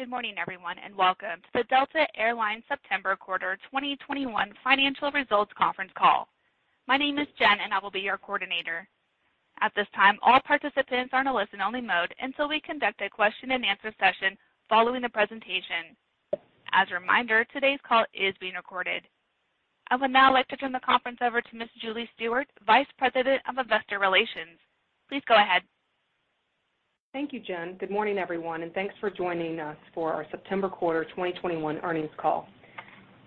Good morning, everyone, and welcome to the Delta Air Lines September Quarter 2021 Financial Results Conference Call. My name is Jen, and I will be your coordinator. At this time, all participants are in a listen-only mode until we conduct a question-and-answer session following the presentation. As a reminder, today's call is being recorded. I would now like to turn the conference over to Ms. Julie Stewart, Vice President of Investor Relations. Please go ahead. Thank you, Jen. Good morning, everyone, and thanks for joining us for our September Quarter 2021 earnings call.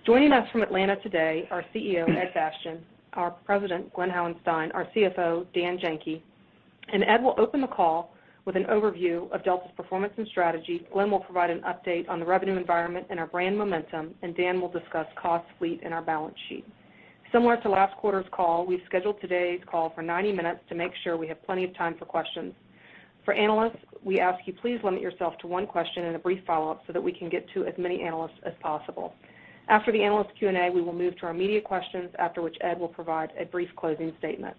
Joining us from Atlanta today are CEO, Ed Bastian, our President, Glen Hauenstein, our CFO, Dan Janki. Ed will open the call with an overview of Delta's performance and strategy. Glen will provide an update on the revenue environment and our brand momentum, and Dan will discuss cost, fleet, and our balance sheet. Similar to last quarter's call, we scheduled today's call for 90 minutes to make sure we have plenty of time for questions. For analysts, we ask you please limit yourself to one question and a brief follow-up so that we can get to as many analysts as possible. After the analyst Q&A, we will move to our media questions, after which Ed will provide a brief closing statement.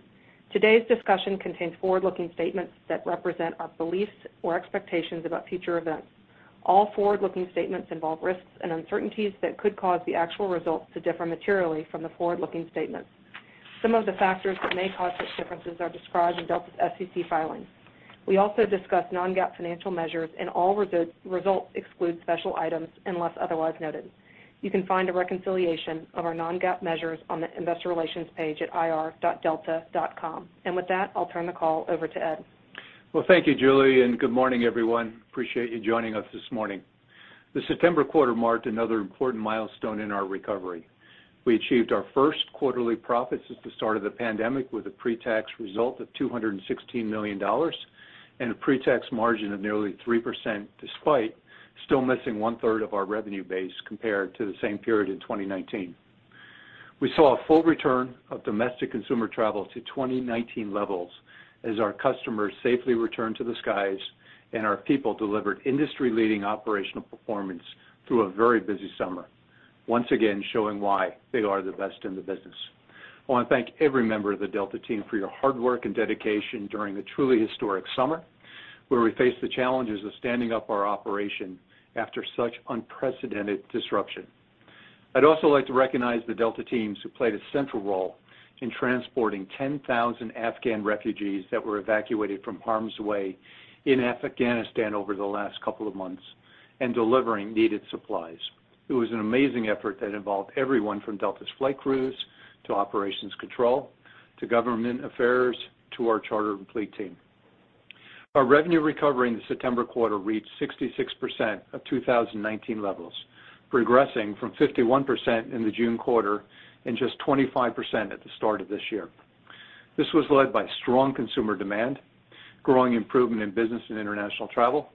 Today's discussion contains forward-looking statements that represent our beliefs or expectations about future events. All forward-looking statements involve risks and uncertainties that could cause the actual results to differ materially from the forward-looking statements. Some of the factors that may cause such differences are described in Delta's SEC filings. We also discuss non-GAAP financial measures. All results exclude special items unless otherwise noted. You can find a reconciliation of our non-GAAP measures on the investor relations page at ir.delta.com. With that, I'll turn the call over to Ed. Thank you, Julie, and good morning, everyone. Appreciate you joining us this morning. The September quarter marked another important milestone in our recovery. We achieved our first quarterly profits since the start of the pandemic, with a pre-tax result of $216 million and a pre-tax margin of nearly 3%, despite still missing one-third of our revenue base compared to the same period in 2019. We saw a full return of domestic consumer travel to 2019 levels as our customers safely returned to the skies and our people delivered industry-leading operational performance through a very busy summer, once again showing why they are the best in the business. I want to thank every member of the Delta team for your hard work and dedication during a truly historic summer, where we faced the challenges of standing up our operation after such unprecedented disruption. I'd also like to recognize the Delta teams who played a central role in transporting 10,000 Afghan refugees that were evacuated from harm's way in Afghanistan over the last couple of months and delivering needed supplies. It was an amazing effort that involved everyone from Delta's flight crews to operations control to government affairs to our charter and fleet team. Our revenue recovery in the September quarter reached 66% of 2019 levels, progressing from 51% in the June quarter and just 25% at the start of this year. This was led by strong consumer demand, growing improvement in business and international travel,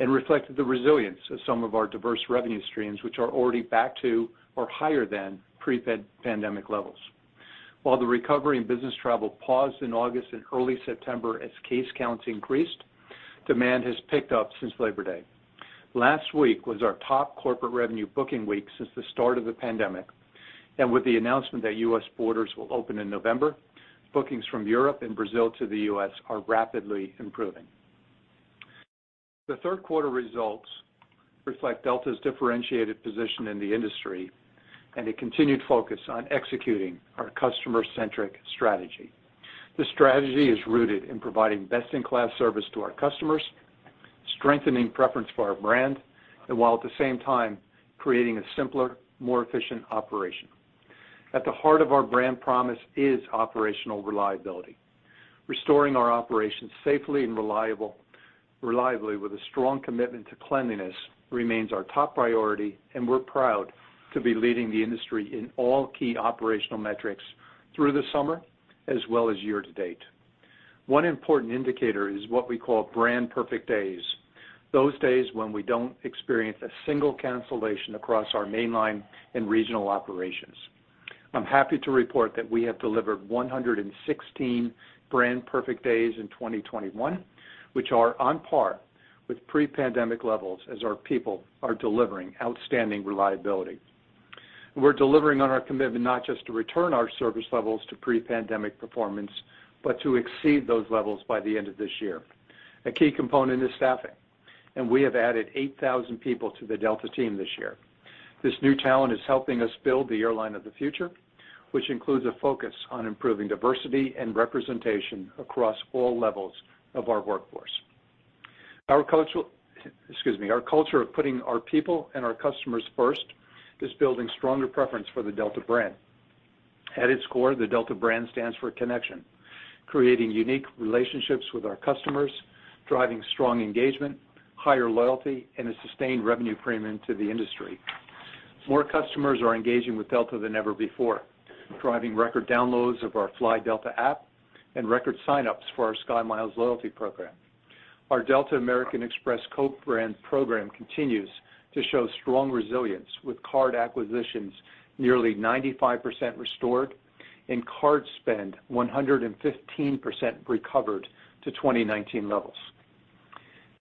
and reflected the resilience of some of our diverse revenue streams, which are already back to or higher than pre-pandemic levels. While the recovery in business travel paused in August and early September as case counts increased, demand has picked up since Labor Day. Last week was our top corporate revenue booking week since the start of the pandemic. With the announcement that U.S. borders will open in November, bookings from Europe and Brazil to the U.S. are rapidly improving. The third quarter results reflect Delta's differentiated position in the industry and a continued focus on executing our customer-centric strategy. This strategy is rooted in providing best-in-class service to our customers, strengthening preference for our brand, and while at the same time creating a simpler, more efficient operation. At the heart of our brand promise is operational reliability. Restoring our operations safely and reliably with a strong commitment to cleanliness remains our top priority, and we're proud to be leading the industry in all key operational metrics through the summer as well as year to date. One important indicator is what we call Brand Perfect Days, those days when we don't experience a single cancellation across our mainline and regional operations. I'm happy to report that we have delivered 116 Brand Perfect Days in 2021, which are on par with pre-pandemic levels as our people are delivering outstanding reliability. We're delivering on our commitment not just to return our service levels to pre-pandemic performance, but to exceed those levels by the end of this year. A key component is staffing. We have added 8,000 people to the Delta team this year. This new talent is helping us build the airline of the future, which includes a focus on improving diversity and representation across all levels of our workforce. Our culture of putting our people and our customers first is building stronger preference for the Delta brand. At its core, the Delta brand stands for connection, creating unique relationships with our customers, driving strong engagement, higher loyalty, and a sustained revenue premium to the industry. More customers are engaging with Delta than ever before, driving record downloads of our Fly Delta app and record sign-ups for our SkyMiles loyalty program. Our Delta American Express co-brand program continues to show strong resilience, with card acquisitions nearly 95% restored and card spend 115% recovered to 2019 levels.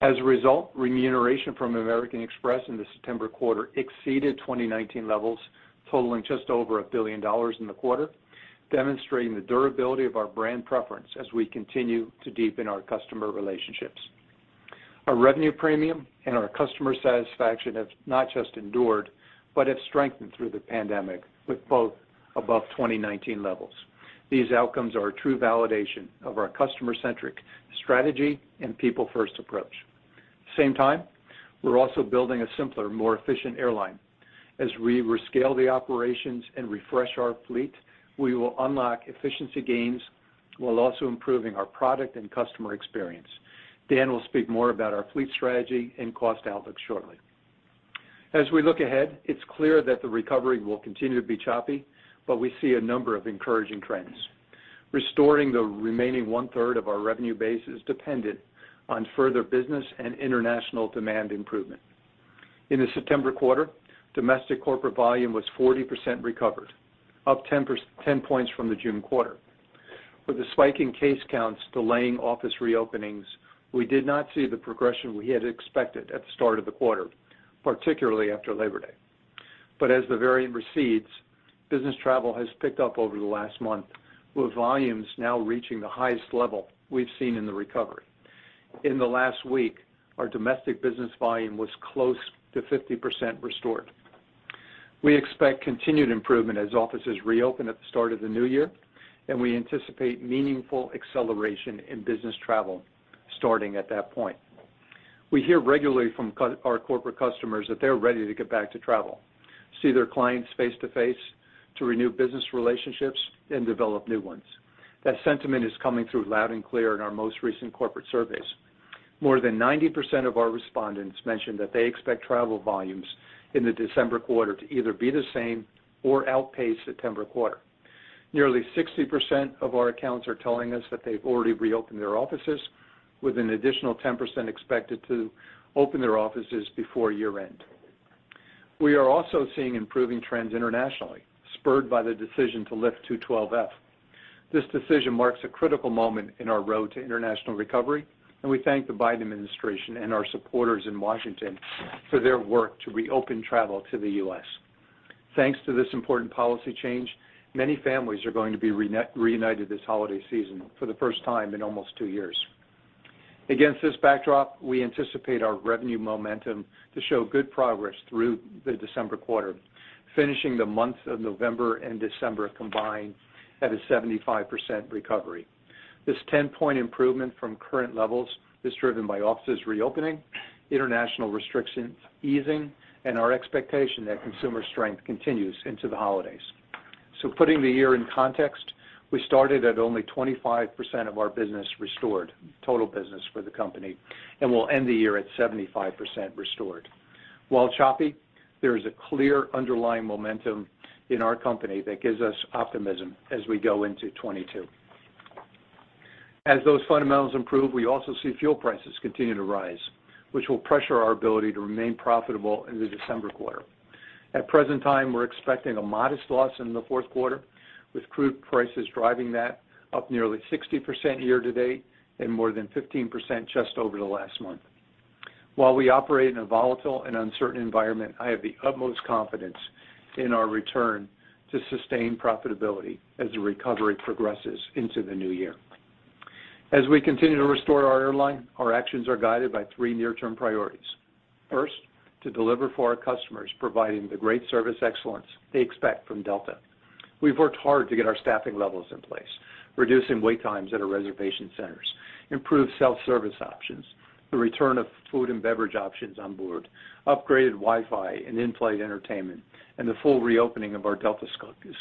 As a result, remuneration from American Express in the September quarter exceeded 2019 levels, totaling just over $1 billion in the quarter, demonstrating the durability of our brand preference as we continue to deepen our customer relationships. Our revenue premium and our customer satisfaction have not just endured but have strengthened through the pandemic with both above 2019 levels. These outcomes are a true validation of our customer-centric strategy and people-first approach. At the same time, we're also building a simpler, more efficient airline. As we rescale the operations and refresh our fleet, we will unlock efficiency gains while also improving our product and customer experience. Dan will speak more about our fleet strategy and cost outlook shortly. As we look ahead, it's clear that the recovery will continue to be choppy, but we see a number of encouraging trends. Restoring the remaining one-third of our revenue base is dependent on further business and international demand improvement. In the September quarter, domestic corporate volume was 40% recovered, up 10 points from the June quarter. With the spiking case counts delaying office reopenings, we did not see the progression we had expected at the start of the quarter, particularly after Labor Day. As the variant recedes, business travel has picked up over the last month, with volumes now reaching the highest level we've seen in the recovery. In the last week, our domestic business volume was close to 50% restored. We expect continued improvement as offices reopen at the start of the new year, and we anticipate meaningful acceleration in business travel starting at that point. We hear regularly from our corporate customers that they're ready to get back to travel, see their clients face-to-face to renew business relationships and develop new ones. That sentiment is coming through loud and clear in our most recent corporate surveys. More than 90% of our respondents mentioned that they expect travel volumes in the December quarter to either be the same or outpace September quarter. Nearly 60% of our accounts are telling us that they've already reopened their offices, with an additional 10% expected to open their offices before year-end. We are also seeing improving trends internationally, spurred by the decision to lift 212(f). This decision marks a critical moment in our road to international recovery. We thank the Biden administration and our supporters in Washington for their work to reopen travel to the U.S. Thanks to this important policy change, many families are going to be reunited this holiday season for the first time in almost two years. Against this backdrop, we anticipate our revenue momentum to show good progress through the December quarter, finishing the months of November and December combined at a 75% recovery. This 10-point improvement from current levels is driven by offices reopening, international restrictions easing, and our expectation that consumer strength continues into the holidays. Putting the year in context, we started at only 25% of our business restored, total business for the company, and we'll end the year at 75% restored. While choppy, there is a clear underlying momentum in our company that gives us optimism as we go into 2022. As those fundamentals improve, we also see fuel prices continue to rise, which will pressure our ability to remain profitable in the December quarter. At the present time, we're expecting a modest loss in the fourth quarter, with crude prices driving that up nearly 60% year-to-date and more than 15% just over the last month. While we operate in a volatile and uncertain environment, I have the utmost confidence in our return to sustained profitability as the recovery progresses into the new year. As we continue to restore our airline, our actions are guided by three near-term priorities. First, to deliver for our customers, providing the great service excellence they expect from Delta. We've worked hard to get our staffing levels in place, reducing wait times at our reservation centers, improved self-service options, the return of food and beverage options on board, upgraded Wi-Fi and in-flight entertainment, and the full reopening of our Delta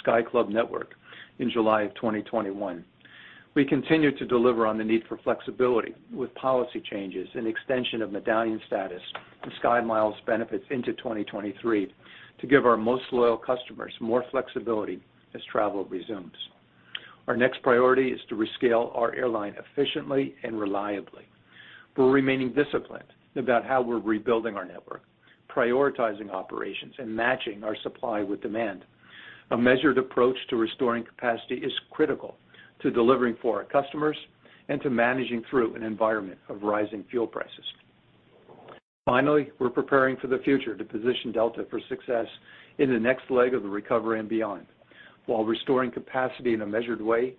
Sky Club network in July of 2021. We continue to deliver on the need for flexibility with policy changes and extension of Medallion status and SkyMiles benefits into 2023 to give our most loyal customers more flexibility as travel resumes. Our next priority is to rescale our airline efficiently and reliably. We're remaining disciplined about how we're rebuilding our network, prioritizing operations, and matching our supply with demand. A measured approach to restoring capacity is critical to delivering for our customers and to managing through an environment of rising fuel prices. Finally, we're preparing for the future to position Delta for success in the next leg of the recovery and beyond. While restoring capacity in a measured way,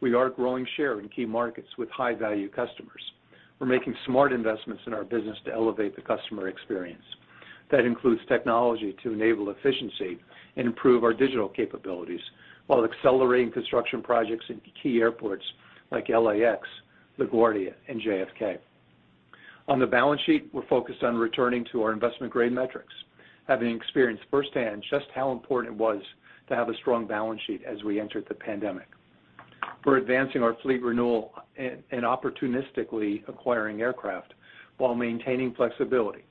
we are growing share in key markets with high-value customers. We're making smart investments in our business to elevate the customer experience. That includes technology to enable efficiency and improve our digital capabilities while accelerating construction projects in key airports like LAX, LaGuardia, and JFK. On the balance sheet, we're focused on returning to our investment-grade metrics, having experienced firsthand just how important it was to have a strong balance sheet as we entered the pandemic. We're advancing our fleet renewal and opportunistically acquiring aircraft while maintaining flexibility,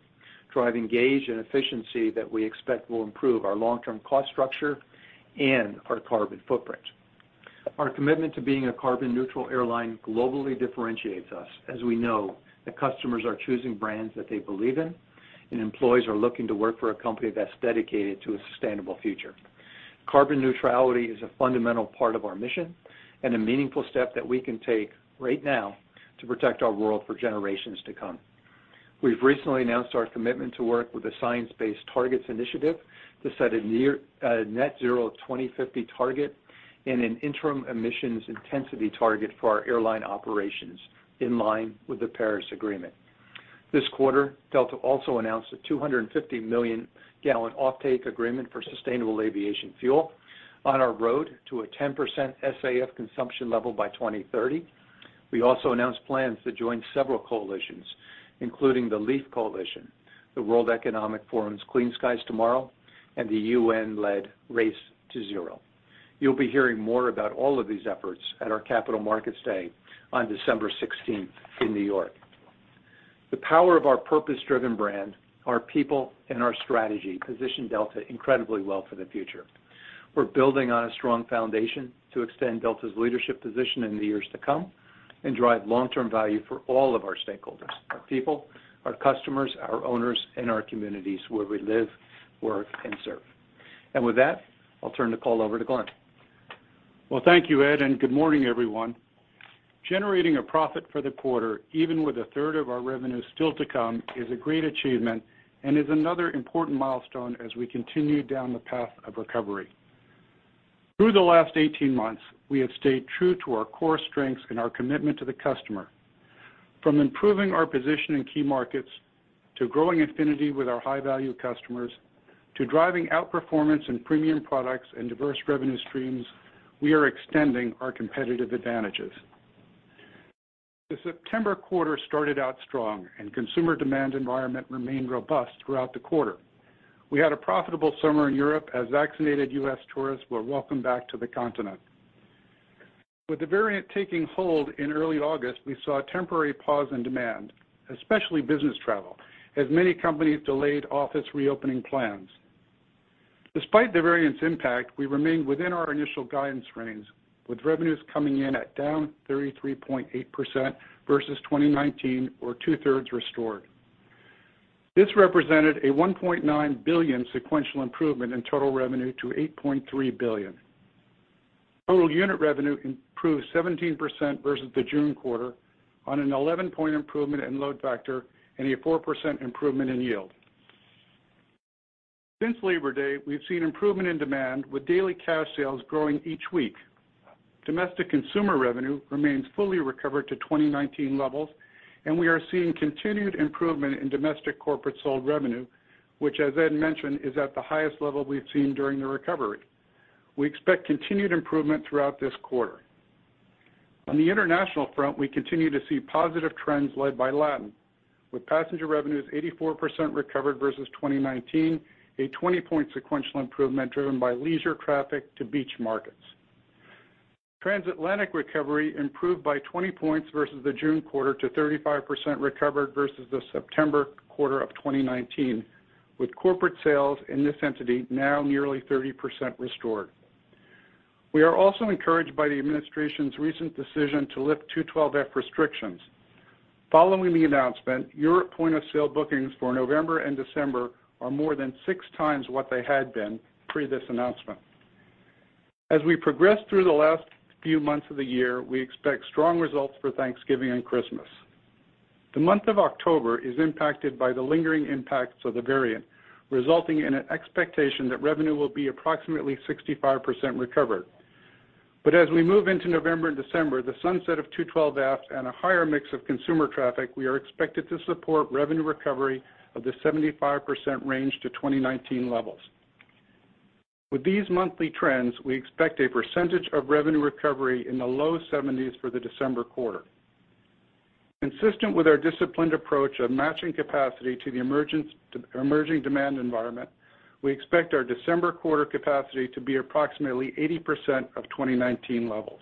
driving gauge and efficiency that we expect will improve our long-term cost structure and our carbon footprint. Our commitment to being a carbon-neutral airline globally differentiates us, as we know that customers are choosing brands that they believe in, and employees are looking to work for a company that's dedicated to a sustainable future. Carbon neutrality is a fundamental part of our mission and a meaningful step that we can take right now to protect our world for generations to come. We've recently announced our commitment to work with the Science Based Targets initiative to set a net zero 2050 target and an interim emissions intensity target for our airline operations in line with the Paris Agreement. This quarter, Delta also announced a 250 million-gallon offtake agreement for sustainable aviation fuel on our road to a 10% SAF consumption level by 2030. We also announced plans to join several coalitions, including the LEAF Coalition, the World Economic Forum's Clean Skies for Tomorrow, and the UN-led Race to Zero. You'll be hearing more about all of these efforts at our Capital Markets Day on December 16th in New York. The power of our purpose-driven brand, our people, and our strategy position Delta incredibly well for the future. We're building on a strong foundation to extend Delta's leadership position in the years to come and drive long-term value for all of our stakeholders, our people, our customers, our owners, and our communities where we live, work, and serve. With that, I'll turn the call over to Glen. Well, thank you, Ed. Good morning, everyone. Generating a profit for the quarter, even with a third of our revenue still to come, is a great achievement and is another important milestone as we continue down the path of recovery. Through the last 18 months, we have stayed true to our core strengths and our commitment to the customer. From improving our position in key markets, to growing affinity with our high-value customers, to driving outperformance in premium products and diverse revenue streams, we are extending our competitive advantages. The September quarter started out strong. Consumer demand environment remained robust throughout the quarter. We had a profitable summer in Europe as vaccinated U.S. tourists were welcomed back to the continent. With the variant taking hold in early August, we saw a temporary pause in demand, especially business travel, as many companies delayed office reopening plans. Despite the variant's impact, we remained within our initial guidance range, with revenues coming in at down 33.8% versus 2019 or 2/3 restored. This represented a $1.9 billion sequential improvement in total revenue to $8.3 billion. Total unit revenue improved 17% versus the June quarter on an 11-point improvement in load factor and a 4% improvement in yield. Since Labor Day, we've seen improvement in demand, with daily cash sales growing each week. Domestic consumer revenue remains fully recovered to 2019 levels, and we are seeing continued improvement in domestic corporate sold revenue, which, as Ed mentioned, is at the highest level we've seen during the recovery. We expect continued improvement throughout this quarter. On the international front, we continue to see positive trends led by Latin, with passenger revenues 84% recovered versus 2019, a 20-point sequential improvement driven by leisure traffic to beach markets. Transatlantic recovery improved by 20 points versus the June quarter to 35% recovered versus the September quarter of 2019, with corporate sales in this entity now nearly 30% restored. We are also encouraged by the administration's recent decision to lift 212(f) restrictions. Following the announcement, Europe point-of-sale bookings for November and December are more than 6x what they had been pre this announcement. As we progress through the last few months of the year, we expect strong results for Thanksgiving and Christmas. The month of October is impacted by the lingering impacts of the variant, resulting in an expectation that revenue will be approximately 65% recovered. As we move into November and December, the sunset of 212(f) and a higher mix of consumer traffic we are expected to support revenue recovery of the 75% range to 2019 levels. With these monthly trends, we expect a percentage of revenue recovery in the low 70s for the December quarter. Consistent with our disciplined approach of matching capacity to the emerging demand environment, we expect our December quarter capacity to be approximately 80% of 2019 levels.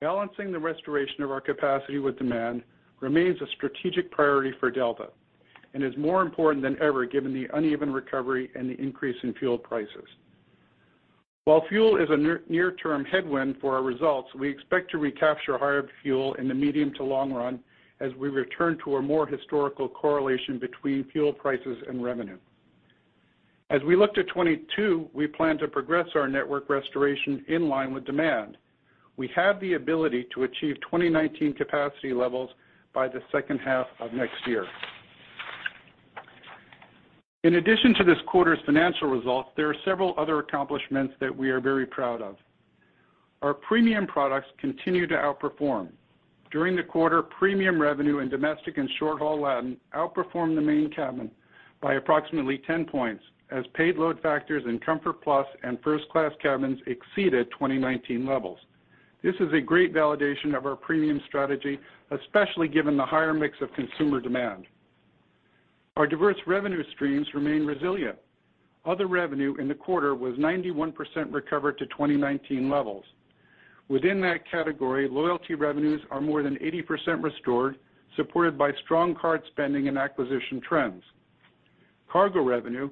Balancing the restoration of our capacity with demand remains a strategic priority for Delta and is more important than ever given the uneven recovery and the increase in fuel prices. While fuel is a near-term headwind for our results, we expect to recapture higher fuel in the medium to long run as we return to a more historical correlation between fuel prices and revenue. As we look to 2022, we plan to progress our network restoration in line with demand. We have the ability to achieve 2019 capacity levels by the second half of next year. In addition to this quarter's financial results, there are several other accomplishments that we are very proud of. Our premium products continue to outperform. During the quarter, premium revenue in domestic and short-haul Latin outperformed the main cabin by approximately 10 points, as paid load factors in Comfort+ and first-class cabins exceeded 2019 levels. This is a great validation of our premium strategy, especially given the higher mix of consumer demand. Our diverse revenue streams remain resilient. Other revenue in the quarter was 91% recovered to 2019 levels. Within that category, loyalty revenues are more than 80% restored, supported by strong card spending and acquisition trends. Cargo revenue,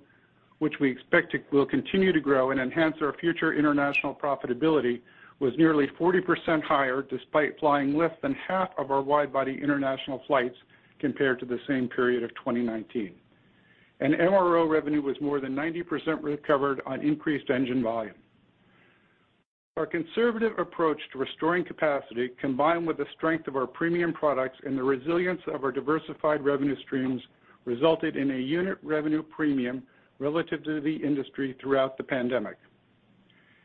which we expect will continue to grow and enhance our future international profitability, was nearly 40% higher despite flying less than half of our wide-body international flights compared to the same period of 2019. MRO revenue was more than 90% recovered on increased engine volume. Our conservative approach to restoring capacity, combined with the strength of our premium products and the resilience of our diversified revenue streams, resulted in a unit revenue premium relative to the industry throughout the pandemic.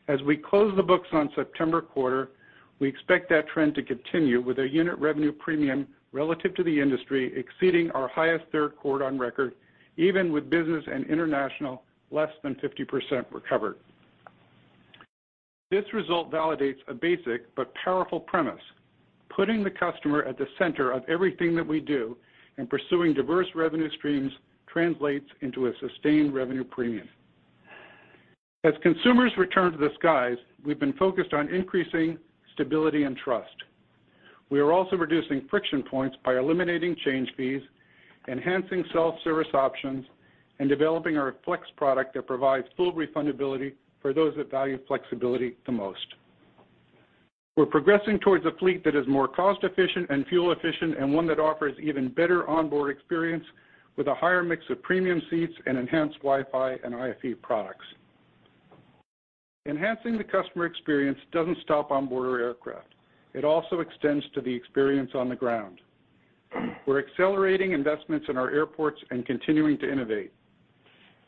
As we close the books on September quarter, we expect that trend to continue with our unit revenue premium relative to the industry exceeding our highest third quarter on record, even with business and international less than 50% recovered. This result validates a basic but powerful premise. Putting the customer at the center of everything that we do and pursuing diverse revenue streams translates into a sustained revenue premium. As consumers return to the skies, we've been focused on increasing stability and trust. We are also reducing friction points by eliminating change fees, enhancing self-service options, and developing our Flex product that provides full refundability for those that value flexibility the most. We're progressing towards a fleet that is more cost-efficient and fuel-efficient, and one that offers even better onboard experience with a higher mix of premium seats and enhanced Wi-Fi and IFE products. Enhancing the customer experience doesn't stop on board our aircraft. It also extends to the experience on the ground. We're accelerating investments in our airports and continuing to innovate.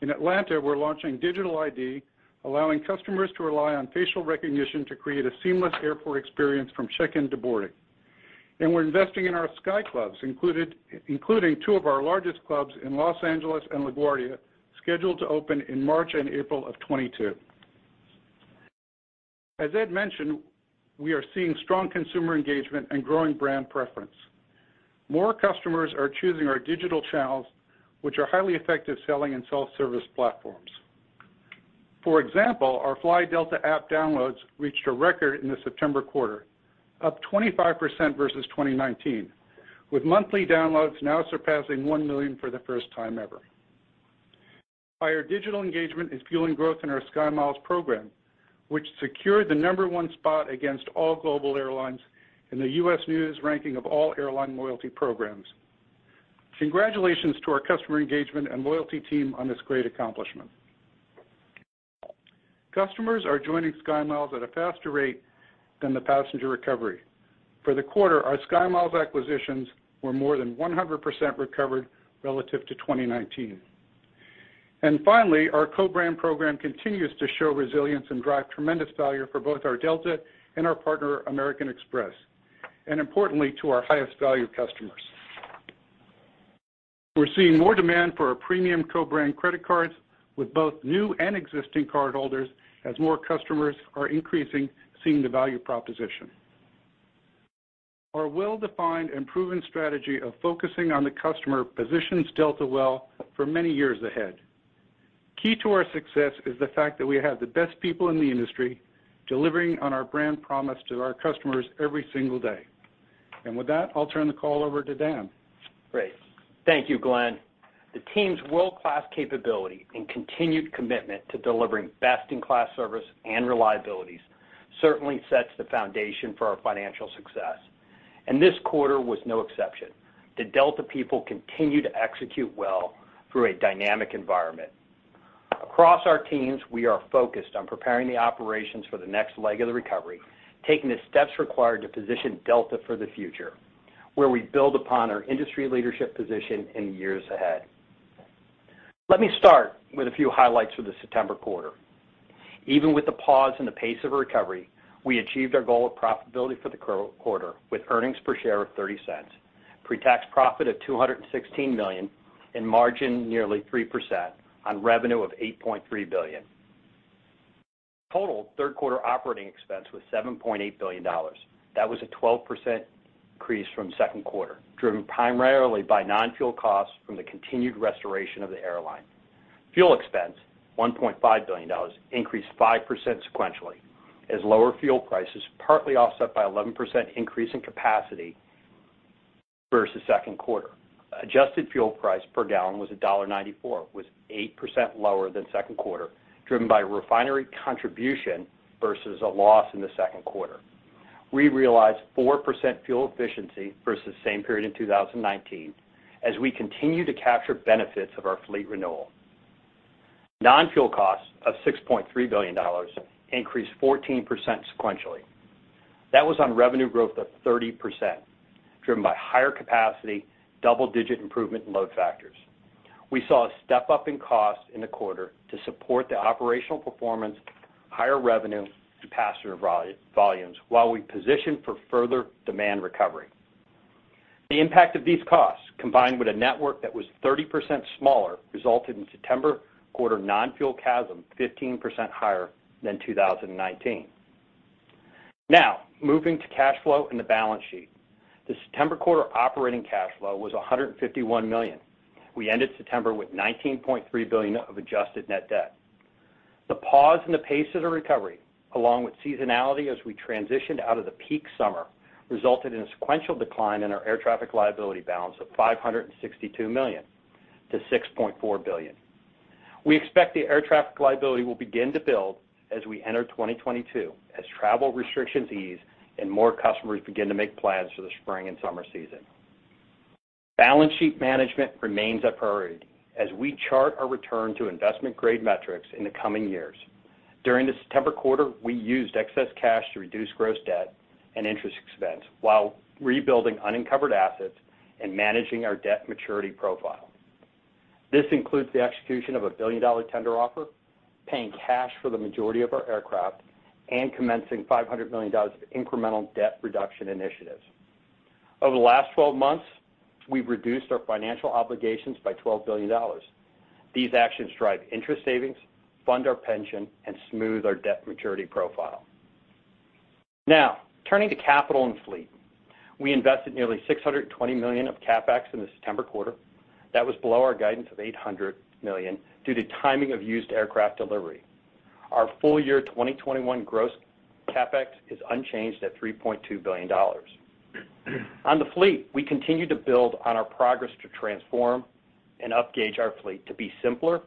In Atlanta, we're launching digital ID, allowing customers to rely on facial recognition to create a seamless airport experience from check-in to boarding. We're investing in our Sky Clubs, including two of our largest clubs in Los Angeles and LaGuardia, scheduled to open in March and April of 2022. As Ed mentioned, we are seeing strong consumer engagement and growing brand preference. More customers are choosing our digital channels, which are highly effective selling and self-service platforms. For example, our Fly Delta app downloads reached a record in the September quarter, up 25% versus 2019, with monthly downloads now surpassing 1 million for the first time ever. Our digital engagement is fueling growth in our SkyMiles program, which secured the number one spot against all global airlines in the U.S. News ranking of all airline loyalty programs. Congratulations to our customer engagement and loyalty team on this great accomplishment. Customers are joining SkyMiles at a faster rate than the passenger recovery. For the quarter, our SkyMiles acquisitions were more than 100% recovered relative to 2019. Finally, our co-brand program continues to show resilience and drive tremendous value for both our Delta and our partner, American Express. Importantly, to our highest value customers. We're seeing more demand for our premium co-brand credit cards with both new and existing cardholders as more customers are increasing, seeing the value proposition. Our well-defined and proven strategy of focusing on the customer positions Delta well for many years ahead. Key to our success is the fact that we have the best people in the industry delivering on our brand promise to our customers every single day. With that, I'll turn the call over to Dan. Great. Thank you, Glen. The team's world-class capability and continued commitment to delivering best-in-class service and reliabilities certainly sets the foundation for our financial success. This quarter was no exception. The Delta people continue to execute well through a dynamic environment. Across our teams, we are focused on preparing the operations for the next leg of the recovery, taking the steps required to position Delta for the future, where we build upon our industry leadership position in the years ahead. Let me start with a few highlights for the September Quarter. Even with the pause in the pace of recovery, we achieved our goal of profitability for the Quarter, with earnings per share of $0.30, pre-tax profit of $216 million, and margin nearly 3% on revenue of $8.3 billion. Total Third Quarter operating expense was $7.8 billion. That was a 12% increase from second quarter, driven primarily by non-fuel costs from the continued restoration of the airline. Fuel expense, $1.5 billion, increased 5% sequentially as lower fuel prices partly offset by 11% increase in capacity versus second quarter. Adjusted fuel price per gallon was $1.94, was 8% lower than second quarter, driven by refinery contribution versus a loss in the second quarter. We realized 4% fuel efficiency versus the same period in 2019 as we continue to capture benefits of our fleet renewal. Non-fuel costs of $6.3 billion increased 14% sequentially. That was on revenue growth of 30%, driven by higher capacity, double-digit improvement in load factors. We saw a step-up in costs in the quarter to support the operational performance, higher revenue, and passenger volumes while we position for further demand recovery. The impact of these costs, combined with a network that was 30% smaller, resulted in September quarter non-fuel CASM 15% higher than 2019. Moving to cash flow and the balance sheet. The September quarter operating cash flow was $151 million. We ended September with $19.3 billion of adjusted net debt. The pause in the pace of the recovery, along with seasonality as we transitioned out of the peak summer, resulted in a sequential decline in our air traffic liability balance of $562 million to $6.4 billion. We expect the air traffic liability will begin to build as we enter 2022 as travel restrictions ease and more customers begin to make plans for the spring and summer season. Balance sheet management remains a priority as we chart our return to investment grade metrics in the coming years. During the September quarter, we used excess cash to reduce gross debt and interest expense while rebuilding unencumbered assets and managing our debt maturity profile. This includes the execution of a billion-dollar tender offer, paying cash for the majority of our aircraft, and commencing $500 million of incremental debt reduction initiatives. Over the last 12 months, we've reduced our financial obligations by $12 billion. These actions drive interest savings, fund our pension, and smooth our debt maturity profile. Now, turning to capital and fleet. We invested nearly $620 million of CapEx in the September quarter. That was below our guidance of $800 million due to timing of used aircraft delivery. Our full year 2021 gross CapEx is unchanged at $3.2 billion. On the fleet, we continue to build on our progress to transform and upgauge our fleet to be simpler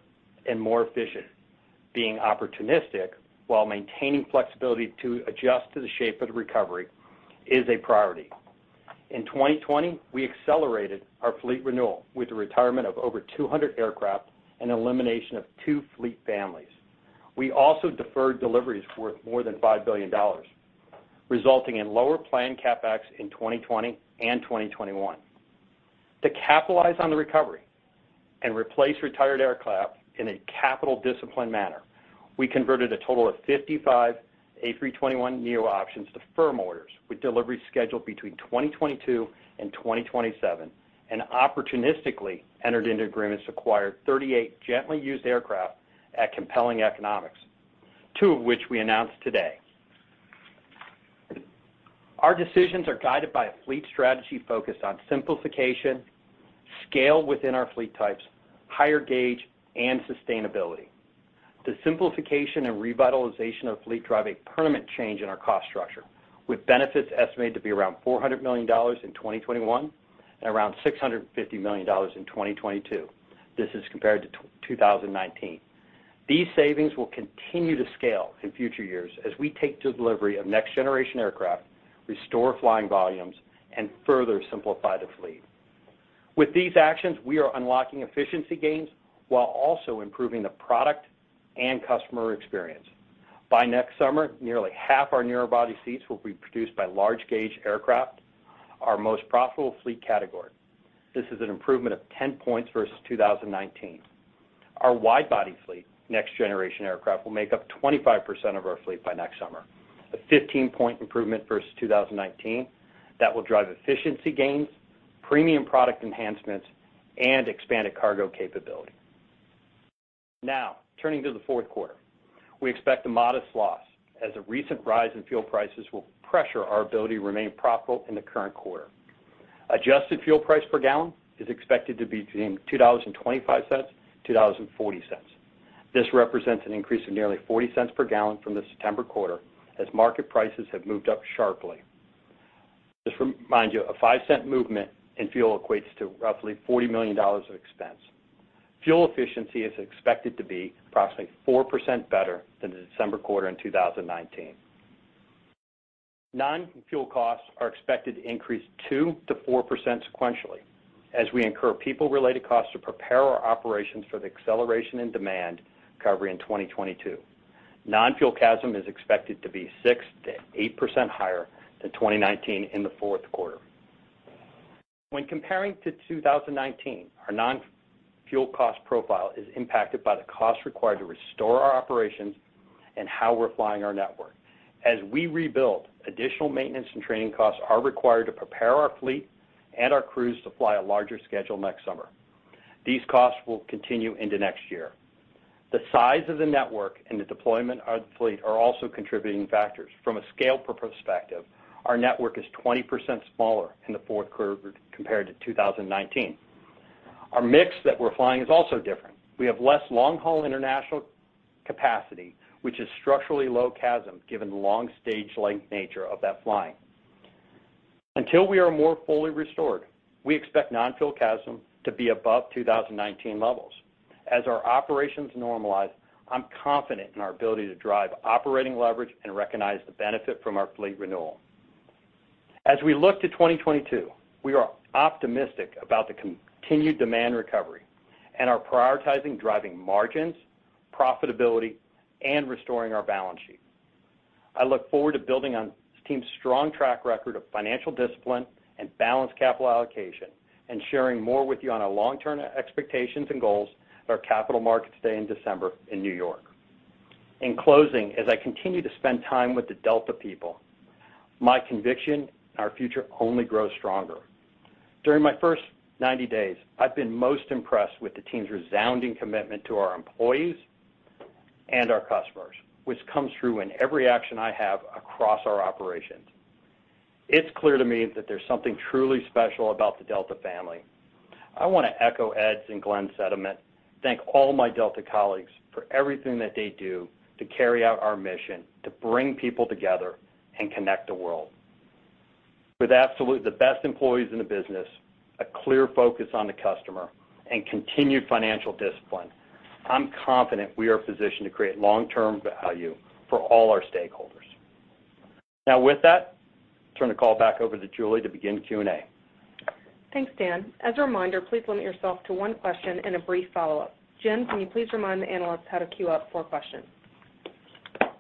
and more efficient. Being opportunistic while maintaining flexibility to adjust to the shape of the recovery is a priority. In 2020, we accelerated our fleet renewal with the retirement of over 200 aircraft and elimination of 2 fleet families. We also deferred deliveries worth more than $5 billion, resulting in lower planned CapEx in 2020 and 2021. To capitalize on the recovery and replace retired aircraft in a capital disciplined manner, we converted a total of 55 A321neo options to firm orders, with deliveries scheduled between 2022 and 2027, and opportunistically entered into agreements to acquire 38 gently used aircraft at compelling economics, two of which we announced today. Our decisions are guided by a fleet strategy focused on simplification, scale within our fleet types, higher gauge, and sustainability. The simplification and revitalization of fleet drive a permanent change in our cost structure, with benefits estimated to be around $400 million in 2021 and around $650 million in 2022. This is compared to 2019. These savings will continue to scale in future years as we take delivery of next generation aircraft, restore flying volumes, and further simplify the fleet. With these actions, we are unlocking efficiency gains while also improving the product and customer experience. By next summer, nearly half our narrow-body seats will be produced by large-gauge aircraft, our most profitable fleet category. This is an improvement of 10 points versus 2019. Our wide-body fleet, next generation aircraft, will make up 25% of our fleet by next summer, a 15-point improvement versus 2019 that will drive efficiency gains, premium product enhancements, and expanded cargo capability. Turning to the fourth quarter. We expect a modest loss as the recent rise in fuel prices will pressure our ability to remain profitable in the current quarter. Adjusted fuel price per gallon is expected to be between $2.25-$2.40. This represents an increase of nearly $0.40 per gallon from the September quarter as market prices have moved up sharply. Just to remind you, a $0.05 movement in fuel equates to roughly $40 million of expense. Fuel efficiency is expected to be approximately 4% better than the December quarter in 2019. Non-fuel costs are expected to increase 2%-4% sequentially as we incur people-related costs to prepare our operations for the acceleration in demand recovery in 2022. Non-fuel CASM is expected to be 6%-8% higher than 2019 in the fourth quarter. When comparing to 2019, our non-fuel cost profile is impacted by the cost required to restore our operations and how we're flying our network. As we rebuild, additional maintenance and training costs are required to prepare our fleet and our crews to fly a larger schedule next summer. These costs will continue into next year. The size of the network and the deployment of the fleet are also contributing factors. From a scale perspective, our network is 20% smaller in the fourth quarter compared to 2019. Our mix that we're flying is also different. We have less long-haul international capacity, which is structurally low CASM, given the long stage length nature of that flying. Until we are more fully restored, we expect non-fuel CASM to be above 2019 levels. As our operations normalize, I'm confident in our ability to drive operating leverage and recognize the benefit from our fleet renewal. As we look to 2022, we are optimistic about the continued demand recovery and are prioritizing driving margins, profitability, and restoring our balance sheet. I look forward to building on this team's strong track record of financial discipline and balanced capital allocation and sharing more with you on our long-term expectations and goals at our Capital Markets Day in December in New York. In closing, as I continue to spend time with the Delta people, my conviction in our future only grows stronger. During my first 90 days, I've been most impressed with the team's resounding commitment to our employees and our customers, which comes through in every action I have across our operations. It's clear to me that there's something truly special about the Delta family. I want to echo Ed's and Glen's sentiment. Thank all my Delta colleagues for everything that they do to carry out our mission to bring people together and connect the world. With absolutely the best employees in the business, a clear focus on the customer, and continued financial discipline, I'm confident we are positioned to create long-term value for all our stakeholders. With that, I'll turn the call back over to Julie to begin Q&A. Thanks, Dan. As a reminder, please limit yourself to one question and a brief follow-up. Jen, can you please remind the analysts how to queue up for a question?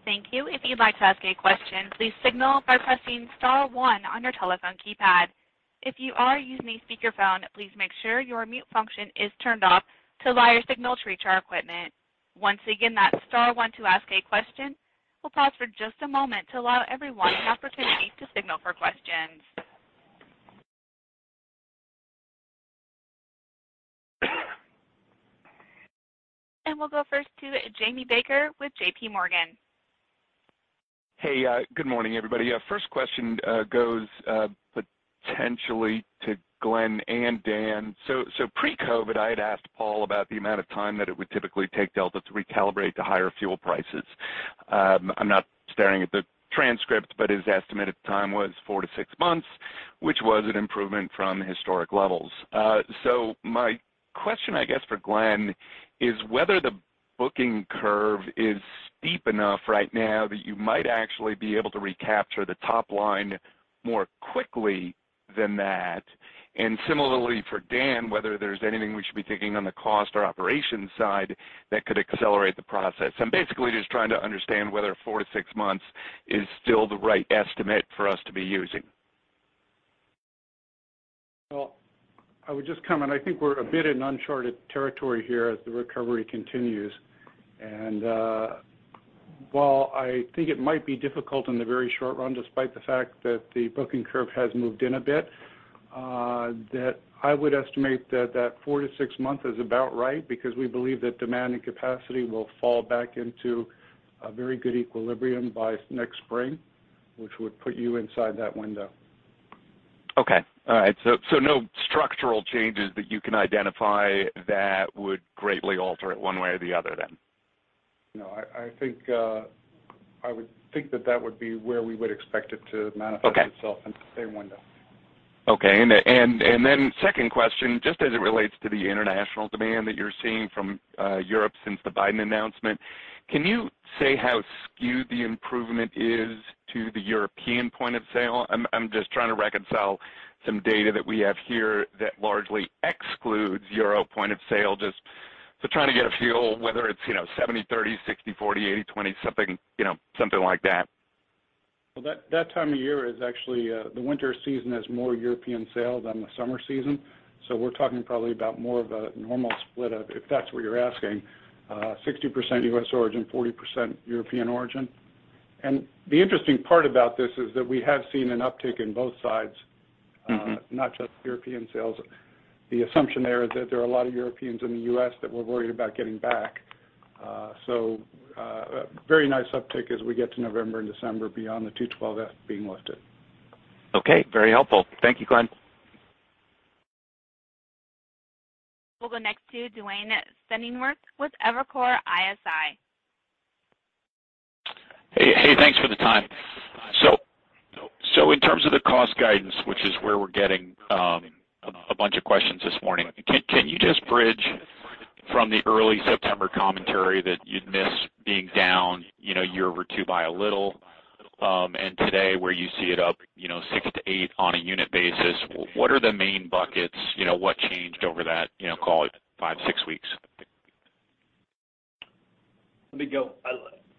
Thank you. If you'd like to ask a question, please signal by pressing star one on your telephone keypad. If you are using a speakerphone, please make sure your mute function is turned off to allow your signal to reach our equipment. Once again, that's star one to ask a question. We'll pause for just a moment to allow everyone an opportunity to signal for questions. We'll go first to Jamie Baker with JPMorgan. Hey, good morning, everybody. First question goes potentially to Glen and Dan. Pre-COVID, I had asked Paul about the amount of time that it would typically take Delta to recalibrate to higher fuel prices. I'm not staring at the transcript, his estimated time was four to six months, which was an improvement from historic levels. My question, I guess, for Glen is whether the booking curve is steep enough right now that you might actually be able to recapture the top line more quickly than that. Similarly for Dan, whether there's anything we should be taking on the cost or operations side that could accelerate the process. I'm basically just trying to understand whether four to six months is still the right estimate for us to be using. Well, I would just comment, I think we're a bit in uncharted territory here as the recovery continues. While I think it might be difficult in the very short run, despite the fact that the booking curve has moved in a bit, that I would estimate that four to six months is about right, because we believe that demand and capacity will fall back into a very good equilibrium by next spring, which would put you inside that window. Okay. All right. No structural changes that you can identify that would greatly alter it one way or the other then? No, I would think that that would be where we would expect it to manifest itself into the same window. Okay. Second question, just as it relates to the international demand that you're seeing from Europe since the Biden announcement, can you say how skewed the improvement is to the European point of sale? I'm just trying to reconcile some data that we have here that largely excludes Euro point of sale, just trying to get a feel whether it's 70/30, 60/40, 80/20, something like that. Well, that time of year is actually the winter season has more European sales than the summer season. We're talking probably about more of a normal split of, if that's what you're asking, 60% U.S. origin, 40% European origin. The interesting part about this is that we have seen an uptick in both sides. Not just European sales. The assumption there is that there are a lot of Europeans in the U.S. that we're worried about getting back. A very nice uptick as we get to November and December beyond the 212(f) being lifted. Okay. Very helpful. Thank you, Glen. We'll go next to Duane Pfennigwerth with Evercore ISI. Hey, thanks for the time. In terms of the cost guidance, which is where we're getting a bunch of questions this morning, can you just bridge from the early September commentary that you'd miss being down year-over-year by a little, and today where you see it up 6%-8% on a unit basis, what are the main buckets? What changed over that call it five, six weeks? Let me go.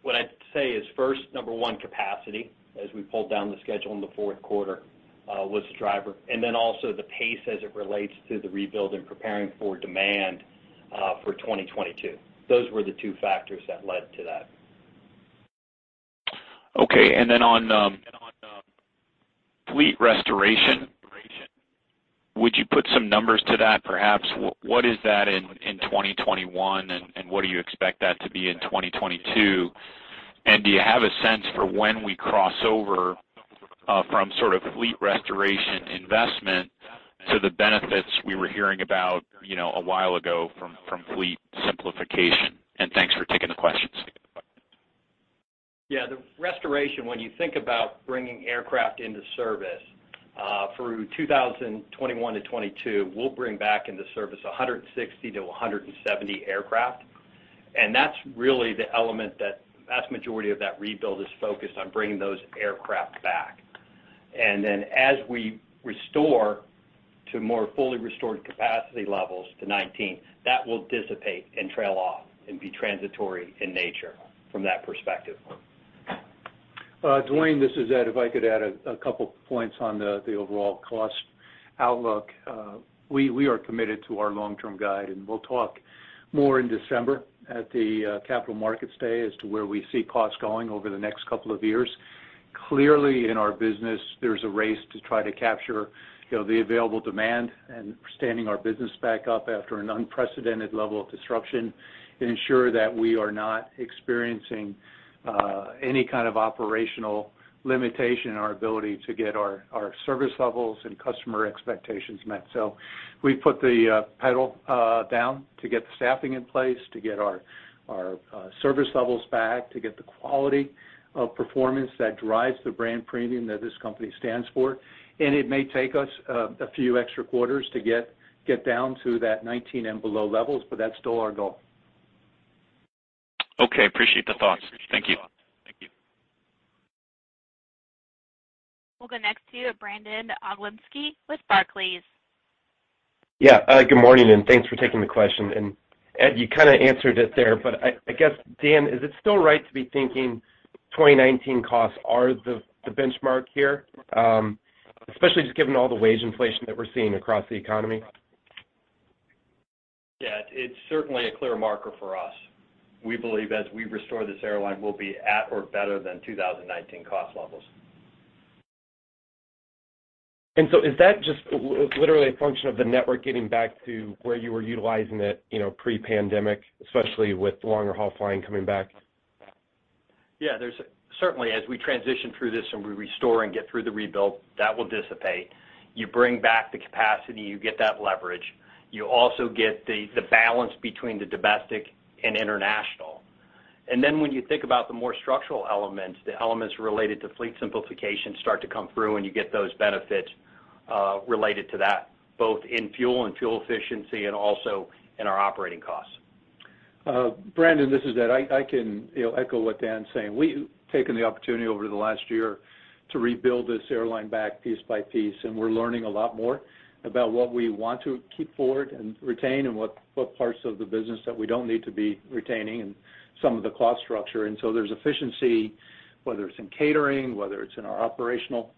What I'd say is first, number one, capacity, as we pulled down the schedule in the fourth quarter was the driver. Also the pace as it relates to the rebuild and preparing for demand, for 2022. Those were the two factors that led to that. Okay, then on fleet restoration, would you put some numbers to that, perhaps? What is that in 2021, and what do you expect that to be in 2022? Do you have a sense for when we cross over from sort of fleet restoration investment to the benefits we were hearing about a while ago from fleet simplification? Thanks for taking the questions. Yeah, the restoration, when you think about bringing aircraft into service, through 2021-2022, we'll bring back into service 160-170 aircraft, that's really the element that the vast majority of that rebuild is focused on bringing those aircraft back. As we restore to more fully restored capacity levels to 2019, that will dissipate and trail off and be transitory in nature from that perspective. Duane, this is Ed. If I could add couple points on the overall cost outlook. We are committed to our long-term guide. We'll talk more in December at the Capital Markets Day as to where we see costs going over the next two years. Clearly, in our business, there's a race to try to capture the available demand and standing our business back up after an unprecedented level of disruption and ensure that we are not experiencing any kind of operational limitation in our ability to get our service levels and customer expectations met. We've put the pedal down to get the staffing in place, to get our service levels back, to get the quality of performance that drives the brand premium that this company stands for. It may take us a few extra quarters to get down to that 19 and below levels, but that's still our goal. Okay. Appreciate the thoughts. Thank you. We'll go next to Brandon Oglenski with Barclays. Yeah. Good morning. Thanks for taking the question. Ed, you kind of answered it there, but I guess, Dan, is it still right to be thinking 2019 costs are the benchmark here? Especially just given all the wage inflation that we're seeing across the economy. Yeah. It's certainly a clear marker for us. We believe as we restore this airline, we'll be at or better than 2019 cost levels. Is that just literally a function of the network getting back to where you were utilizing it pre-pandemic, especially with longer haul flying coming back? Yeah. Certainly, as we transition through this and we restore and get through the rebuild, that will dissipate. You bring back the capacity, you get that leverage. You also get the balance between the domestic and international. When you think about the more structural elements, the elements related to fleet simplification start to come through and you get those benefits related to that, both in fuel and fuel efficiency and also in our operating costs. Brandon, this is Ed. I can echo what Dan's saying. We've taken the opportunity over the last year to rebuild this airline back piece by piece, and we're learning a lot more about what we want to keep forward and retain and what parts of the business that we don't need to be retaining and some of the cost structure. So there's efficiency, whether it's in catering, whether it's in our operational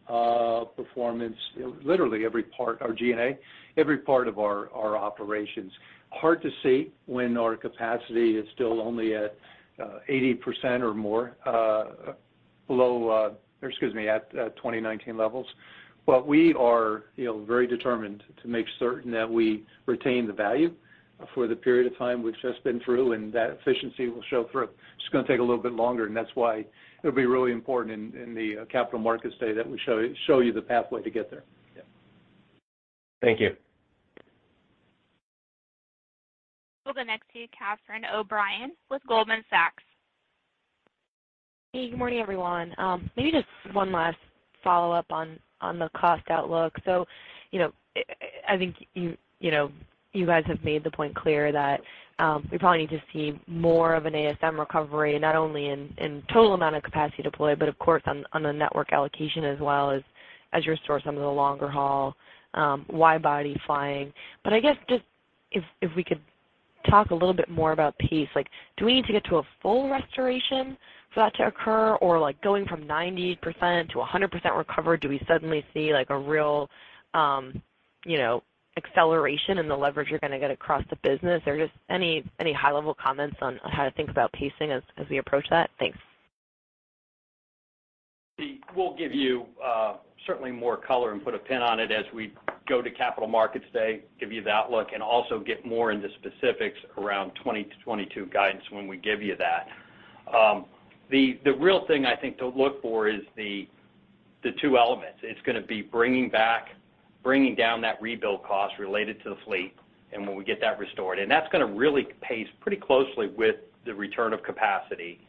performance, literally every part, our G&A, every part of our operations. Hard to see when our capacity is still only at 80% or excuse me, at 2019 levels. We are very determined to make certain that we retain the value for the period of time we've just been through, and that efficiency will show through. It's going to take a little bit longer, and that's why it'll be really important in the Capital Markets Day that we show you the pathway to get there. Yeah. Thank you. We'll go next to Catherine O'Brien with Goldman Sachs. Hey, good morning, everyone. Maybe just one last follow-up on the cost outlook. I think you guys have made the point clear that we probably need to see more of an ASM recovery, not only in total amount of capacity deployed, but of course on the network allocation as well as you restore some of the longer haul wide-body flying. I guess just if we could talk a little bit more about pace. Do we need to get to a full restoration for that to occur? Going from 90% to 100% recovery, do we suddenly see a real acceleration in the leverage you're going to get across the business? Just any high-level comments on how to think about pacing as we approach that? Thanks. We'll give you certainly more color and put a pin on it as we go to Capital Markets Day, give you the outlook, and also get more into specifics around 2022 guidance when we give you that. The real thing I think to look for is the two elements. It's going to be bringing down that rebuild cost related to the fleet, and when we get that restored. That's going to really pace pretty closely with the return of capacity.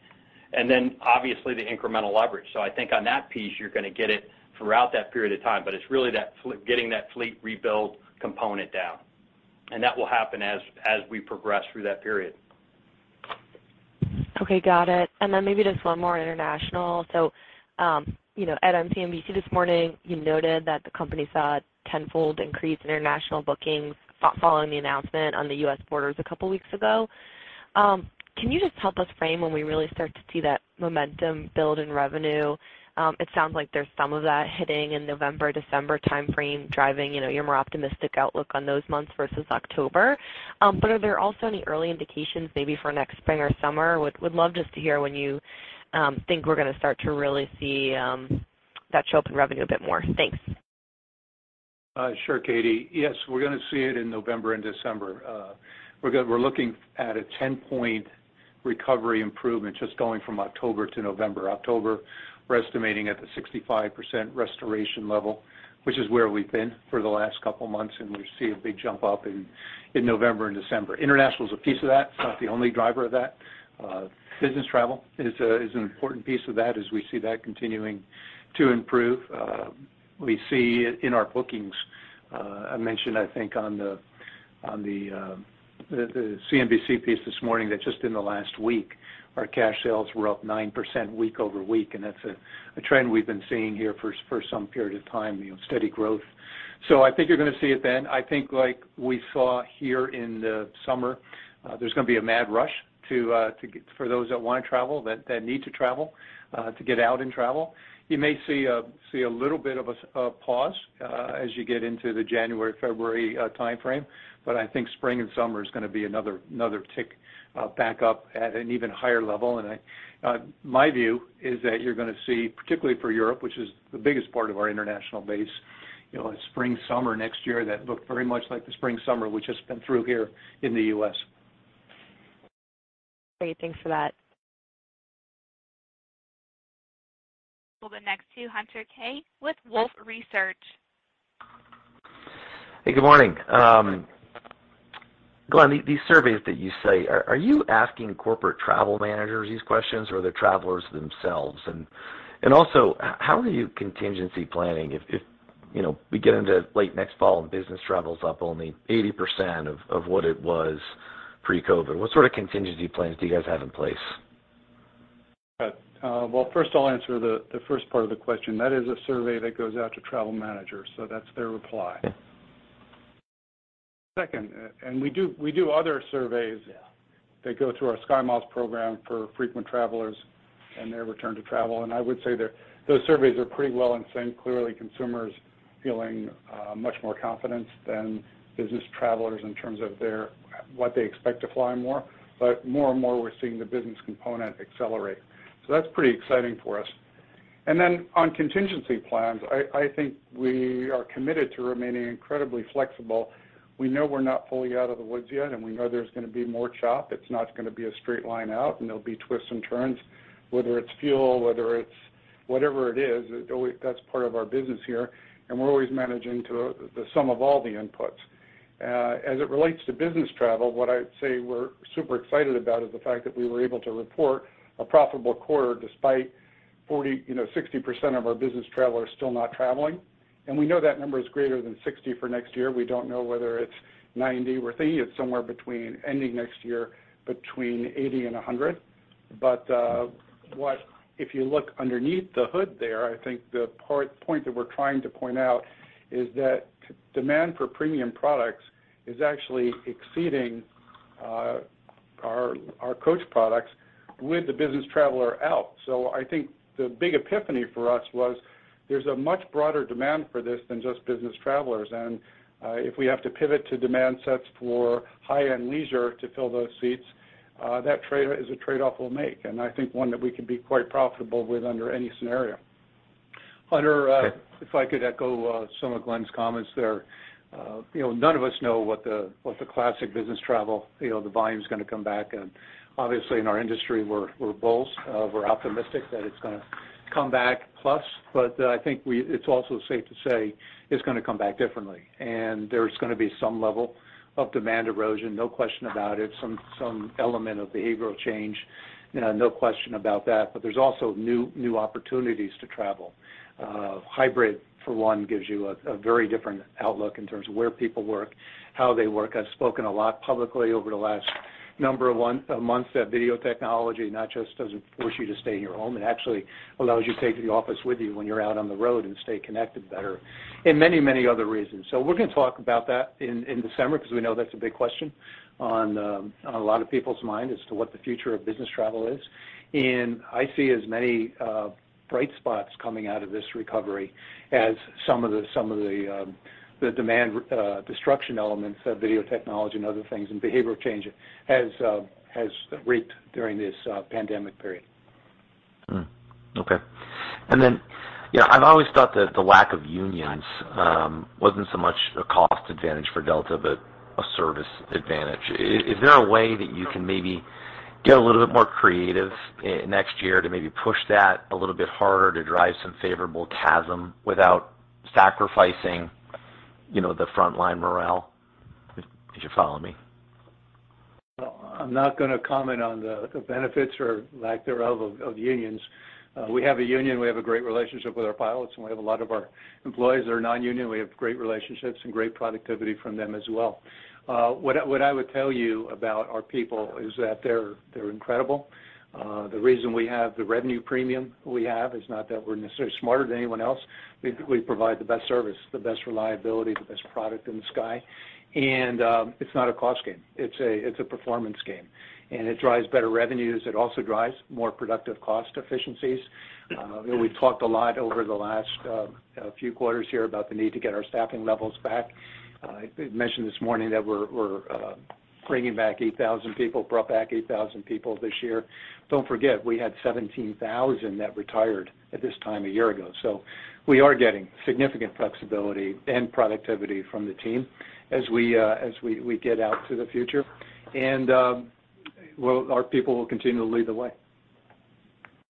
Obviously the incremental leverage. I think on that piece, you're going to get it throughout that period of time, but it's really that getting that fleet rebuild component down. That will happen as we progress through that period. Okay. Got it. Maybe just one more international. Ed, on CNBC this morning, you noted that the company saw a tenfold increase in international bookings following the announcement on the U.S. borders a couple of weeks ago. Can you just help us frame when we really start to see that momentum build in revenue? It sounds like there's some of that hitting in November, December timeframe driving your more optimistic outlook on those months versus October. Are there also any early indications maybe for next spring or summer? Would love just to hear when you think we're going to start to really see that show up in revenue a bit more. Thanks. Sure, Katie. We're going to see it in November and December. We're looking at a 10-point recovery improvement just going from October to November. October, we're estimating at the 65% restoration level, which is where we've been for the last couple of months, and we see a big jump up in November and December. International is a piece of that. It's not the only driver of that. Business travel is an important piece of that as we see that continuing to improve. We see in our bookings, I mentioned, I think on the CNBC piece this morning that just in the last week, our cash sales were up 9% week-over-week, and that's a trend we've been seeing here for some period of time, steady growth. I think you're going to see it then. I think like we saw here in the summer, there's going to be a mad rush for those that want to travel, that need to travel, to get out and travel. You may see a little bit of a pause as you get into the January, February timeframe. I think spring and summer is going to be another tick back up at an even higher level. My view is that you're going to see, particularly for Europe, which is the biggest part of our international base, a spring, summer next year that look very much like the spring, summer we've just been through here in the U.S. Great. Thanks for that. We'll go next to Hunter Keay with Wolfe Research. Hey, good morning. Glen, these surveys that you say, are you asking corporate travel managers these questions, or the travelers themselves? Also, how are you contingency planning if we get into late next fall and business travel is up only 80% of what it was pre-COVID? What sort of contingency plans do you guys have in place? Well, first I'll answer the first part of the question. Second, we do other surveys that go through our SkyMiles program for frequent travelers and their return to travel, and I would say that those surveys are pretty well in sync. Clearly, consumers feeling much more confidence than business travelers in terms of what they expect to fly more. More and more, we're seeing the business component accelerate. That's pretty exciting for us. On contingency plans, I think we are committed to remaining incredibly flexible. We know we're not fully out of the woods yet, and we know there's going to be more chop. It's not going to be a straight line out. There'll be twists and turns, whether it's fuel, whether it's whatever it is, that's part of our business here, and we're always managing to the sum of all the inputs. As it relates to business travel, what I'd say we're super excited about is the fact that we were able to report a profitable quarter despite 60% of our business travelers still not traveling. We know that number is greater than 60% for next year. We don't know whether it's 90%. We're thinking it's somewhere between ending next year between 80% and 100%. If you look underneath the hood there, I think the point that we're trying to point out is that demand for premium products is actually exceeding our coach products with the business traveler out. I think the big epiphany for us was there's a much broader demand for this than just business travelers. If we have to pivot to demand sets for high-end leisure to fill those seats, that is a trade-off we'll make, and I think one that we can be quite profitable with under any scenario. Hunter, if I could echo some of Glen's comments there. None of us know what the classic business travel, the volume's going to come back, and obviously in our industry, we're bullish. We're optimistic that it's going to come back plus. I think it's also safe to say it's going to come back differently, and there's going to be some level of demand erosion, no question about it, some element of behavioral change, no question about that. There's also new opportunities to travel. Hybrid, for one, gives you a very different outlook in terms of where people work, how they work. I've spoken a lot publicly over the last number of months that video technology not just doesn't force you to stay in your home, it actually allows you to take the office with you when you're out on the road and stay connected better, and many other reasons. We're going to talk about that in December because we know that's a big question on a lot of people's mind as to what the future of business travel is. I see as many bright spots coming out of this recovery as some of the demand destruction elements of video technology and other things, and behavioral change has reaped during this pandemic period. Okay. I've always thought that the lack of unions wasn't so much a cost advantage for Delta, but a service advantage. Is there a way that you can maybe get a little bit more creative next year to maybe push that a little bit harder to drive some favorable CASM without sacrificing the frontline morale? Did you follow me? I'm not going to comment on the benefits or lack thereof of unions. We have a union. We have a great relationship with our pilots, and we have a lot of our employees that are non-union. We have great relationships and great productivity from them as well. What I would tell you about our people is that they're incredible. The reason we have the revenue premium we have is not that we're necessarily smarter than anyone else. We provide the best service, the best reliability, the best product in the sky, and it's not a cost game. It's a performance game, and it drives better revenues. It also drives more productive cost efficiencies. We've talked a lot over the last few quarters here about the need to get our staffing levels back. I mentioned this morning that we're bringing back 8,000 people, brought back 8,000 people this year. Don't forget, we had 17,000 that retired at this time a year ago. We are getting significant flexibility and productivity from the team as we get out to the future, and our people will continue to lead the way.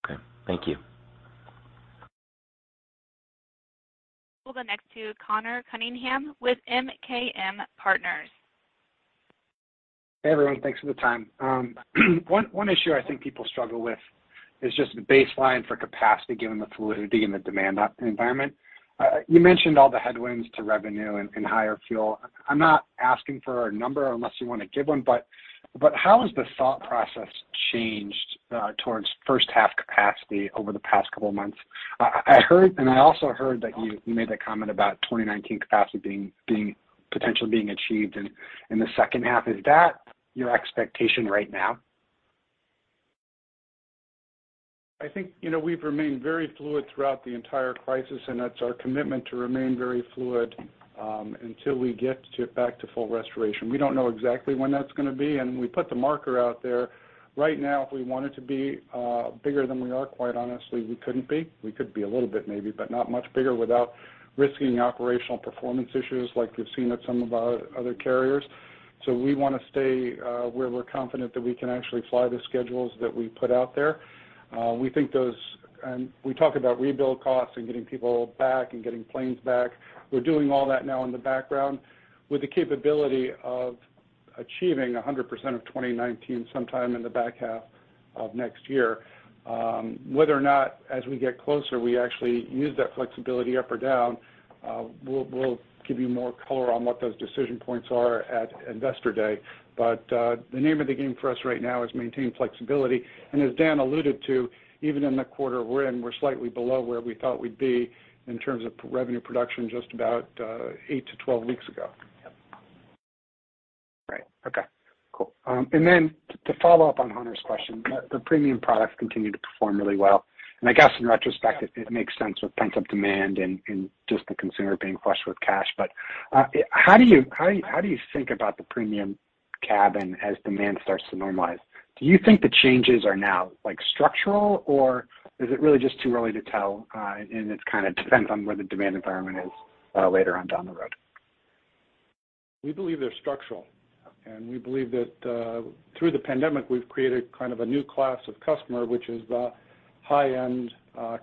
Okay. Thank you. We'll go next to Conor Cunningham with MKM Partners. Hey, everyone. Thanks for the time. One issue I think people struggle with is just the baseline for capacity given the fluidity in the demand environment. You mentioned all the headwinds to revenue and higher fuel. I'm not asking for a number unless you want to give one, but how has the thought process changed towards first half capacity over the past couple of months? I also heard that you made a comment about 2019 capacity potentially being achieved in the second half. Is that your expectation right now? I think we've remained very fluid throughout the entire crisis, and that's our commitment to remain very fluid until we get back to full restoration. We don't know exactly when that's going to be, and we put the marker out there. Right now, if we wanted to be bigger than we are, quite honestly, we couldn't be. We could be a little bit maybe, but not much bigger without risking operational performance issues like we've seen at some of our other carriers. We want to stay where we're confident that we can actually fly the schedules that we put out there. We talk about rebuild costs and getting people back and getting planes back. We're doing all that now in the background with the capability of achieving 100% of 2019 sometime in the back half of next year. Whether or not as we get closer, we actually use that flexibility up or down, we'll give you more color on what those decision points are at Investor Day. The name of the game for us right now is maintain flexibility. As Dan alluded to, even in the quarter we're in, we're slightly below where we thought we'd be in terms of revenue production just about eight to 12 weeks ago. Yep. Right. Okay, cool. To follow up on Conor's question, the premium products continue to perform really well, and I guess in retrospect, it makes sense with pent-up demand and just the consumer being flush with cash. How do you think about the premium cabin as demand starts to normalize? Do you think the changes are now structural, or is it really just too early to tell, and it kind of depends on where the demand environment is later on down the road? We believe they're structural, and we believe that through the pandemic, we've created kind of a new class of customer, which is the high-end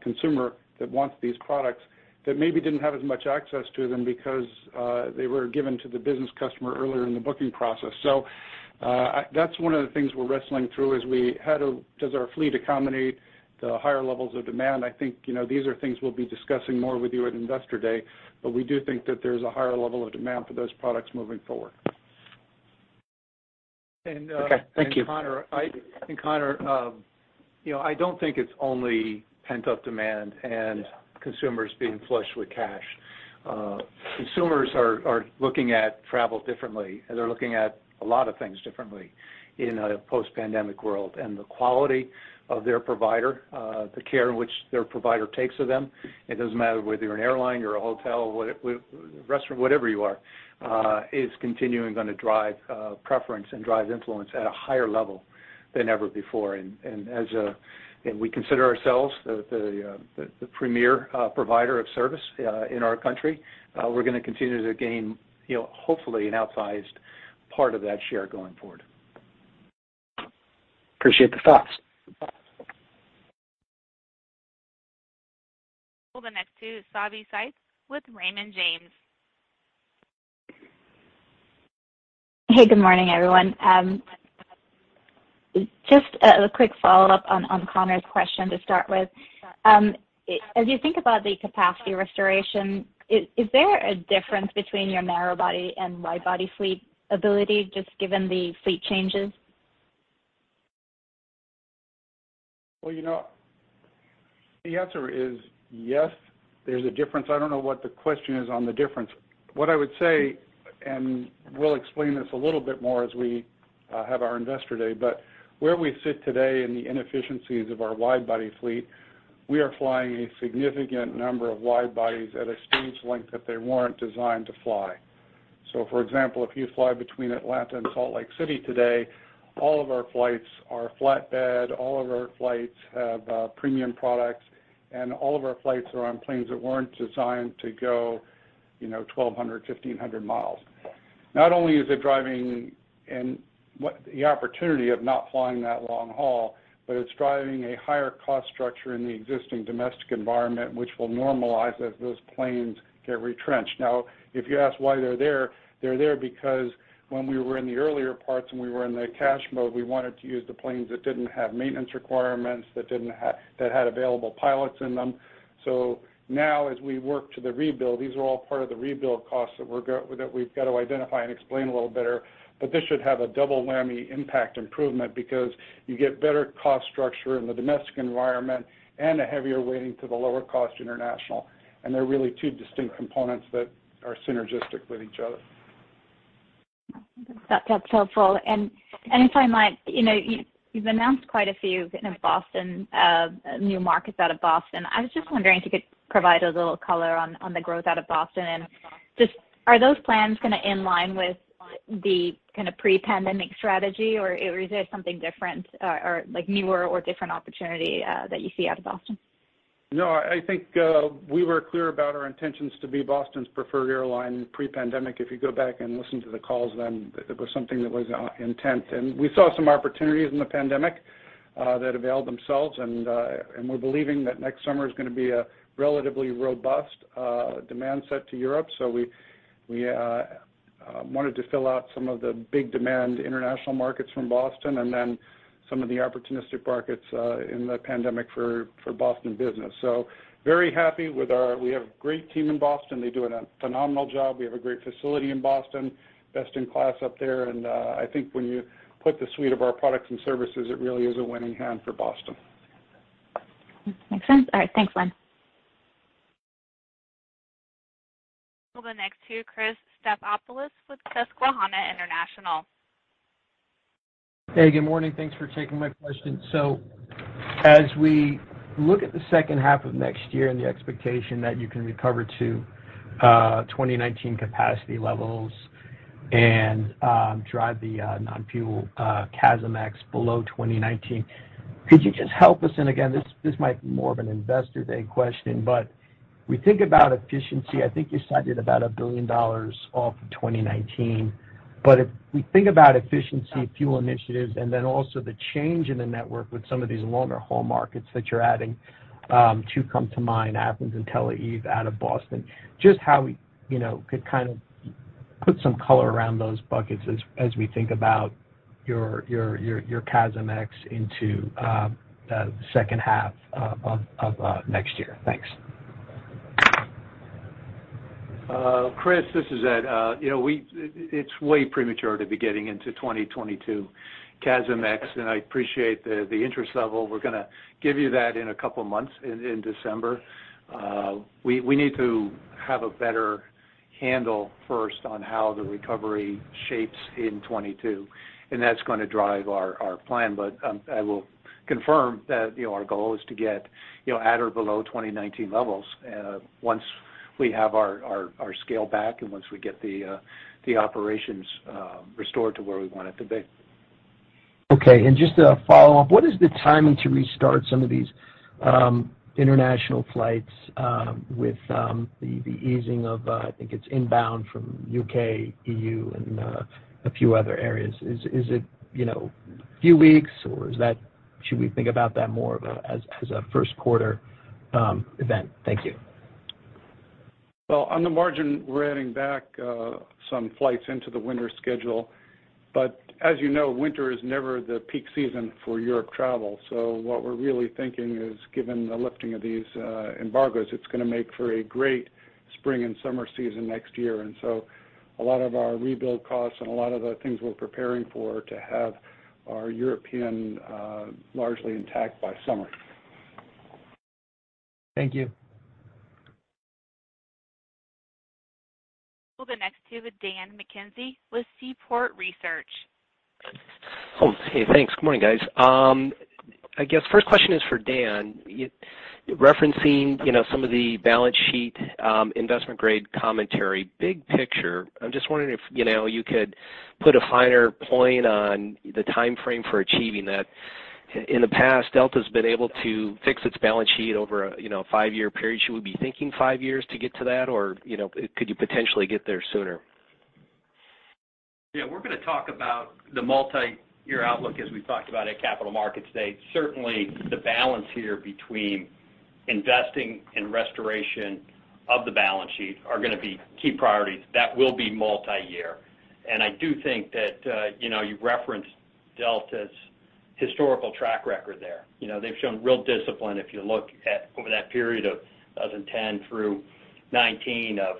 consumer that wants these products that maybe didn't have as much access to them because they were given to the business customer earlier in the booking process. That's one of the things we're wrestling through. Does our fleet accommodate the higher levels of demand? I think these are things we'll be discussing more with you at Investor Day, but we do think that there's a higher level of demand for those products moving forward. Okay. Thank you. Conor, I don't think it's only pent-up demand and consumers being flush with cash. Consumers are looking at travel differently, and they're looking at a lot of things differently in a post-pandemic world. The quality of their provider, the care in which their provider takes of them, it doesn't matter whether you're an airline or a hotel, restaurant, whatever you are, is continuing going to drive preference and drive influence at a higher level than ever before. We consider ourselves the premier provider of service in our country. We're going to continue to gain hopefully an outsized part of that share going forward. Appreciate the thoughts. We'll go next to Savanthi Syth with Raymond James. Hey, good morning, everyone. Just a quick follow-up on Conor's question to start with. As you think about the capacity restoration, is there a difference between your narrow-body and wide-body fleet ability, just given the fleet changes? Well, the answer is yes, there's a difference. I don't know what the question is on the difference. What I would say, and we'll explain this a little bit more as we have our Investor Day, but where we sit today in the inefficiencies of our wide-body fleet, we are flying a significant number of wide-bodies at a stage length that they weren't designed to fly. For example, if you fly between Atlanta and Salt Lake City today, all of our flights are flatbed, all of our flights have premium products, and all of our flights are on planes that weren't designed to go 1,200, 1,500 miles. Not only is it driving the opportunity of not flying that long haul, but it's driving a higher cost structure in the existing domestic environment, which will normalize as those planes get retrenched. Now, if you ask why they're there, they're there because when we were in the earlier parts and we were in the cash mode, we wanted to use the planes that didn't have maintenance requirements, that had available pilots in them. Now as we work to the rebuild, these are all part of the rebuild costs that we've got to identify and explain a little better. This should have a double whammy impact improvement because you get better cost structure in the domestic environment and a heavier weighting to the lower cost international. They're really two distinct components that are synergistic with each other. That's helpful. If I might, you've announced quite a few new markets out of Boston. I was just wondering if you could provide a little color on the growth out of Boston, and just are those plans going to align with the kind of pre-pandemic strategy, or is there something different or newer or different opportunity that you see out of Boston? I think we were clear about our intentions to be Boston's preferred airline pre-pandemic. If you go back and listen to the calls then, it was something that was intent. We saw some opportunities in the pandemic that availed themselves, and we're believing that next summer is going to be a relatively robust demand set to Europe. We wanted to fill out some of the big demand international markets from Boston and then some of the opportunistic markets in the pandemic for Boston business. Very happy with we have a great team in Boston. They do a phenomenal job. We have a great facility in Boston, best in class up there. I think when you put the suite of our products and services, it really is a winning hand for Boston. Makes sense. All right. Thanks, Glen. We'll go next to Chris Stathopoulos with Susquehanna International. Hey, good morning. Thanks for taking my question. As we look at the second half of next year and the expectation that you can recover to 2019 capacity levels and drive the non-fuel CASM-ex below 2019, could you just help us, and again, this might be more of an Investor Day question, but we think about efficiency. I think you cited about $1 billion off of 2019. If we think about efficiency fuel initiatives and then also the change in the network with some of these longer haul markets that you're adding, two come to mind, Athens and Tel Aviv out of Boston. How we could put some color around those buckets as we think about your CASM-ex into the second half of next year. Thanks. Chris, this is Ed. It's way premature to be getting into 2022 CASM-ex. I appreciate the interest level. We're going to give you that in a couple of months, in December. We need to have a better handle first on how the recovery shapes in 2022. That's going to drive our plan. I will confirm that our goal is to get at or below 2019 levels once we have our scale back and once we get the operations restored to where we want it to be. Okay, just to follow up, what is the timing to restart some of these international flights with the easing of, I think it's inbound from U.K., EU, and a few other areas? Is it a few weeks, or should we think about that more of as a first quarter event? Thank you. On the margin, we're adding back some flights into the winter schedule. As you know, winter is never the peak season for Europe travel. What we're really thinking is, given the lifting of these embargoes, it's going to make for a great spring and summer season next year. A lot of our rebuild costs and a lot of the things we're preparing for, to have our European largely intact by summer. Thank you. We'll go next to Dan McKenzie with Seaport Research. Oh, hey, thanks. Good morning, guys. I guess first question is for Dan. Referencing some of the balance sheet investment grade commentary, big picture, I'm just wondering if you could put a finer point on the timeframe for achieving that. In the past, Delta's been able to fix its balance sheet over a five-year period. Should we be thinking five years to get to that, or could you potentially get there sooner? Yeah, we're going to talk about the multi-year outlook as we talked about at Capital Markets Day. Certainly, the balance here between investing and restoration of the balance sheet are going to be key priorities. That will be multi-year. I do think that you referenced Delta's historical track record there. They've shown real discipline, if you look at over that period of 2010 through 2019, of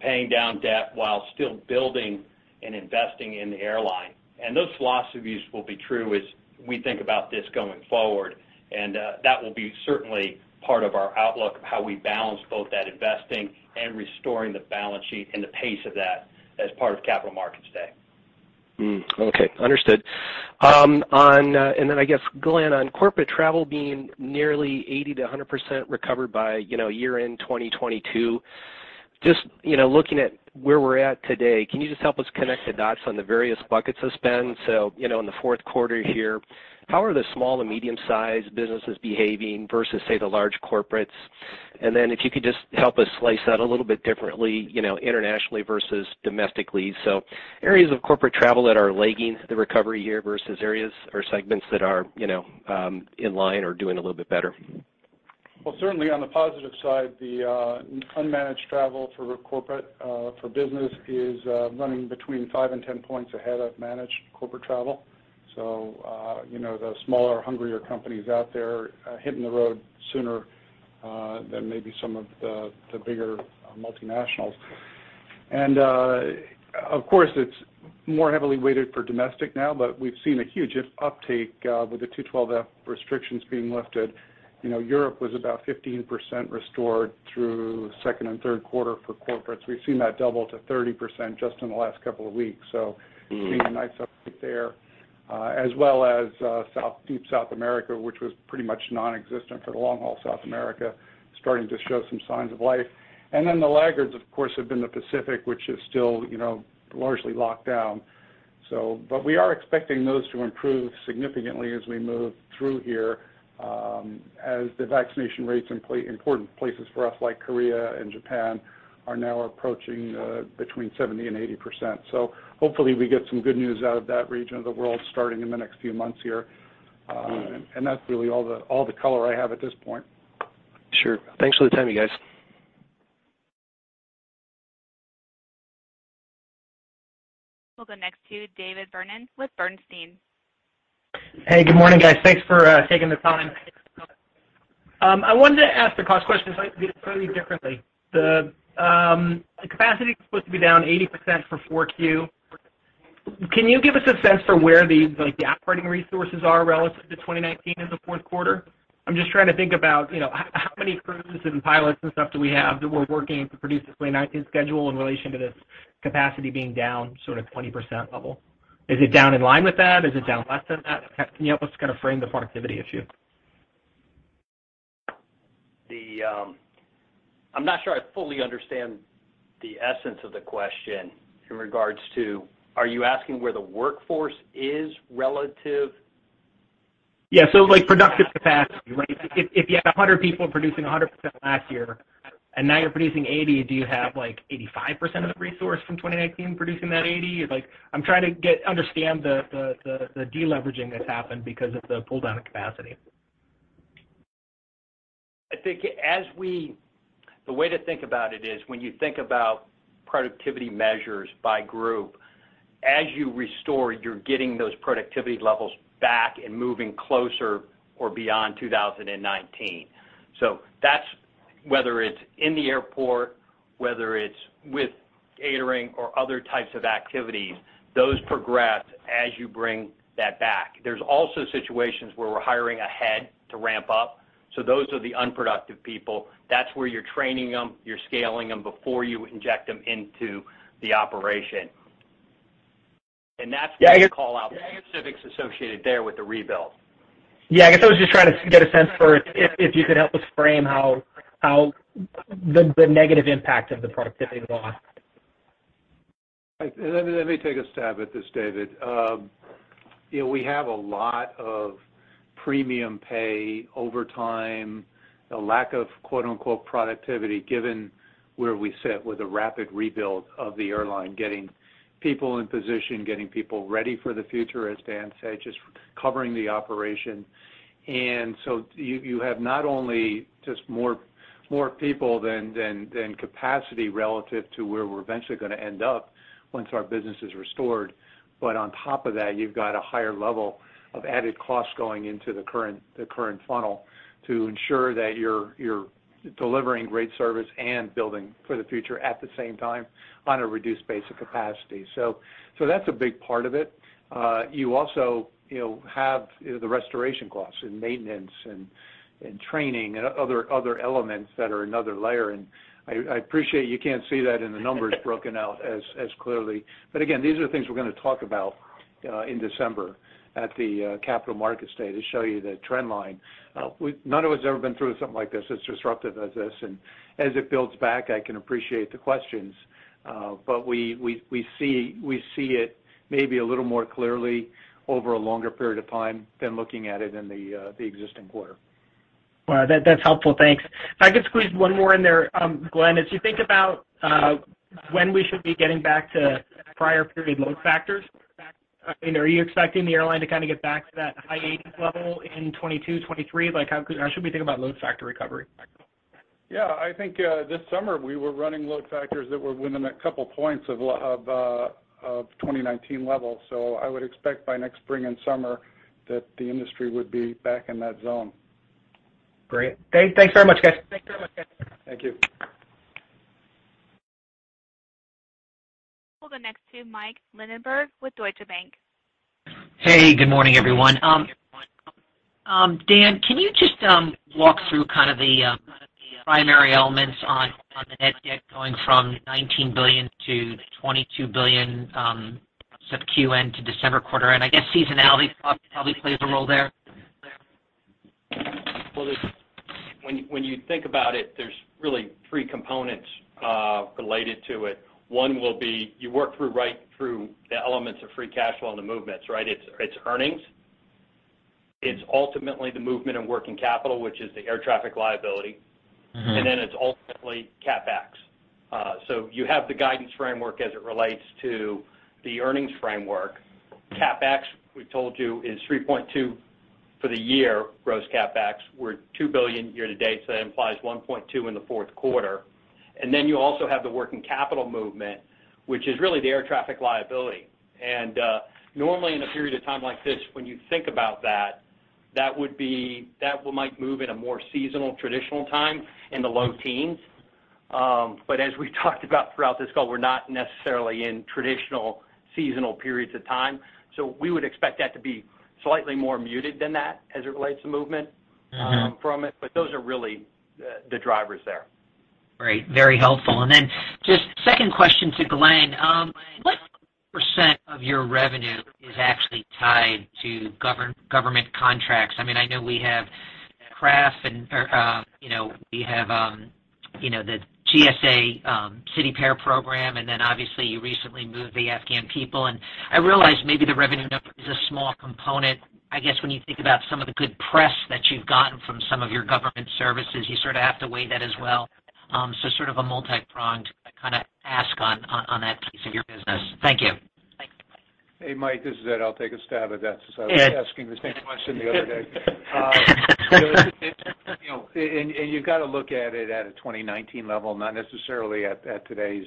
paying down debt while still building and investing in the airline. Those philosophies will be true as we think about this going forward. That will be certainly part of our outlook of how we balance both that investing and restoring the balance sheet and the pace of that as part of Capital Markets Day. Okay. Understood. I guess, Glen, on corporate travel being nearly 80%-100% recovered by year-end 2022, just looking at where we're at today, can you just help us connect the dots on the various buckets of spend? In the fourth quarter here, how are the small and medium-sized businesses behaving versus, say, the large corporates? If you could just help us slice that a little bit differently, internationally versus domestically. Areas of corporate travel that are lagging the recovery here versus areas or segments that are in line or doing a little bit better. Certainly on the positive side, the unmanaged travel for corporate for business is running between 5 and 10 points ahead of managed corporate travel. The smaller, hungrier companies out there are hitting the road sooner than maybe some of the bigger multinationals. Of course, it's more heavily weighted for domestic now, but we've seen a huge uptake with the 212(f) restrictions being lifted. Europe was about 15% restored through second and third quarter for corporates. We've seen that double to 30% just in the last couple of weeks. Seeing a nice update there, as well as deep South America, which was pretty much nonexistent for the long haul, South America starting to show some signs of life. Then the laggards, of course, have been the Pacific, which is still largely locked down. We are expecting those to improve significantly as we move through here, as the vaccination rates in important places for us, like Korea and Japan, are now approaching between 70% and 80%. Hopefully we get some good news out of that region of the world starting in the next few months here. That's really all the color I have at this point. Sure. Thanks for the time, you guys. We'll go next to David Vernon with Bernstein. Hey, good morning, guys. Thanks for taking the time. I wanted to ask the cost question slightly differently. The capacity is supposed to be down 80% for 4Q. Can you give us a sense for where the operating resources are relative to 2019 in the fourth quarter? I'm just trying to think about how many crews and pilots and stuff do we have that we're working to produce this 2019 schedule in relation to this capacity being down sort of 20% level. Is it down in line with that? Is it down less than that? Can you help us kind of frame the productivity issue? I'm not sure I fully understand the essence of the question in regards to, are you asking where the workforce is relative? Yeah, like productive capacity, right? If you had 100 people producing 100% last year and now you're producing 80%, do you have like 85% of the resource from 2019 producing that 80? I'm trying to understand the de-leveraging that's happened because of the pull-down in capacity. I think the way to think about it is when you think about productivity measures by group, as you restore, you're getting those productivity levels back and moving closer or beyond 2019. That's whether it's in the airport, whether it's with catering or other types of activities, those progress as you bring that back. There's also situations where we're hiring ahead to ramp up. Those are the unproductive people. That's where you're training them, you're scaling them before you inject them into the operation. That's what you call out the specifics associated there with the rebuild. Yeah. I guess I was just trying to get a sense for if you could help us frame how the negative impact of the productivity loss. Let me take a stab at this, David. We have a lot of premium pay overtime, a lack of "productivity," given where we sit with a rapid rebuild of the airline, getting people in position, getting people ready for the future, as Dan said, just covering the operation. You have not only just more people than capacity relative to where we're eventually going to end up once our business is restored. On top of that, you've got a higher level of added cost going into the current funnel to ensure that you're delivering great service and building for the future at the same time on a reduced basic capacity. That's a big part of it. You also have the restoration costs and maintenance and training and other elements that are another layer. I appreciate you can't see that in the numbers broken out as clearly. Again, these are things we're going to talk about in December at the Capital Markets Day to show you the trend line. None of us have ever been through something like this, as disruptive as this, and as it builds back, I can appreciate the questions. We see it maybe a little more clearly over a longer period of time than looking at it in the existing quarter. Well, that's helpful. Thanks. If I could squeeze one more in there, Glen, as you think about when we should be getting back to prior period load factors, are you expecting the airline to kind of get back to that high 80s level in 2022, 2023? How should we think about load factor recovery? Yeah, I think this summer we were running load factors that were within couple points of 2019 levels. I would expect by next spring and summer that the industry would be back in that zone. Great. Thanks very much, guys. Thank you. We'll go next to Mike Linenberg with Deutsche Bank. Hey, good morning, everyone. Dan, can you just walk through kind of the primary elements on the net debt going from $19 billion to $22 billion September quarter to December quarter? I guess seasonality probably plays a role there. Well, when you think about it, there's really three components related to it. One will be you work right through the elements of free cash flow and the movements, right? It's earnings. It's ultimately the movement in working capital, which is the air traffic liability. It's ultimately CapEx. You have the guidance framework as it relates to the earnings framework. CapEx, we've told you, is $3.2 for the year, gross CapEx. We're $2 billion year to date, so that implies $1.2 in the fourth quarter. You also have the working capital movement, which is really the air traffic liability. Normally in a period of time like this, when you think about that might move in a more seasonal, traditional time in the low teens. As we've talked about throughout this call, we're not necessarily in traditional seasonal periods of time. We would expect that to be slightly more muted than that as it relates to movement from it. Those are really the drivers there. Great. Very helpful. Just second question to Glen. What percent of your revenue is actually tied to government contracts? I know we have CRAF and we have the GSA City Pair Program, and then obviously you recently moved the Afghan people, and I realize maybe the revenue number is a small component. I guess when you think about some of the good press that you've gotten from some of your government services, you sort of have to weigh that as well. Sort of a multi-pronged kind of ask on that piece of your business. Thank you. Hey, Mike, this is Ed. I'll take a stab at that since I was asking the same question the other day. You've got to look at it at a 2019 level, not necessarily at today's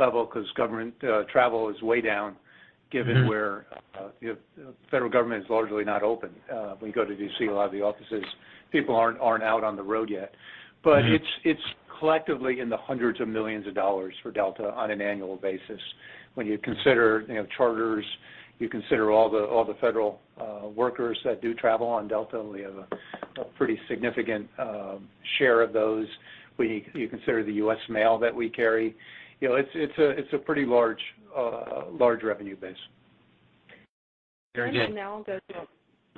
level, because government travel is way down given where the Federal Government is largely not open. When you go to D.C., a lot of the offices, people aren't out on the road yet. It's collectively in the hundreds of millions of dollars for Delta on an annual basis. When you consider charters, you consider all the Federal workers that do travel on Delta, and we have a pretty significant share of those. When you consider the U.S. mail that we carry, it's a pretty large revenue base. Very good.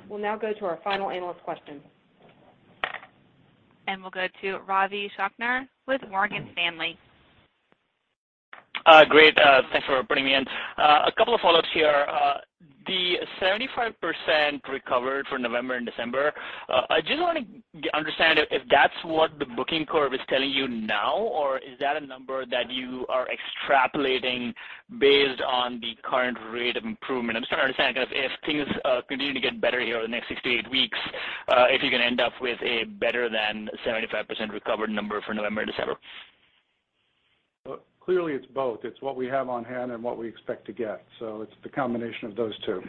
We'll now go to our final analyst question. We'll go to Ravi Shanker with Morgan Stanley. Great. Thanks for putting me in. A couple of follow-ups here. The 75% recovered for November and December, I just want to understand if that's what the booking curve is telling you now, or is that a number that you are extrapolating based on the current rate of improvement? I'm just trying to understand, kind of if things continue to get better here over the next six to eight weeks, if you're going to end up with a better than 75% recovered number for November, December. Well, clearly it's both. It's what we have on hand and what we expect to get. It's the combination of those two.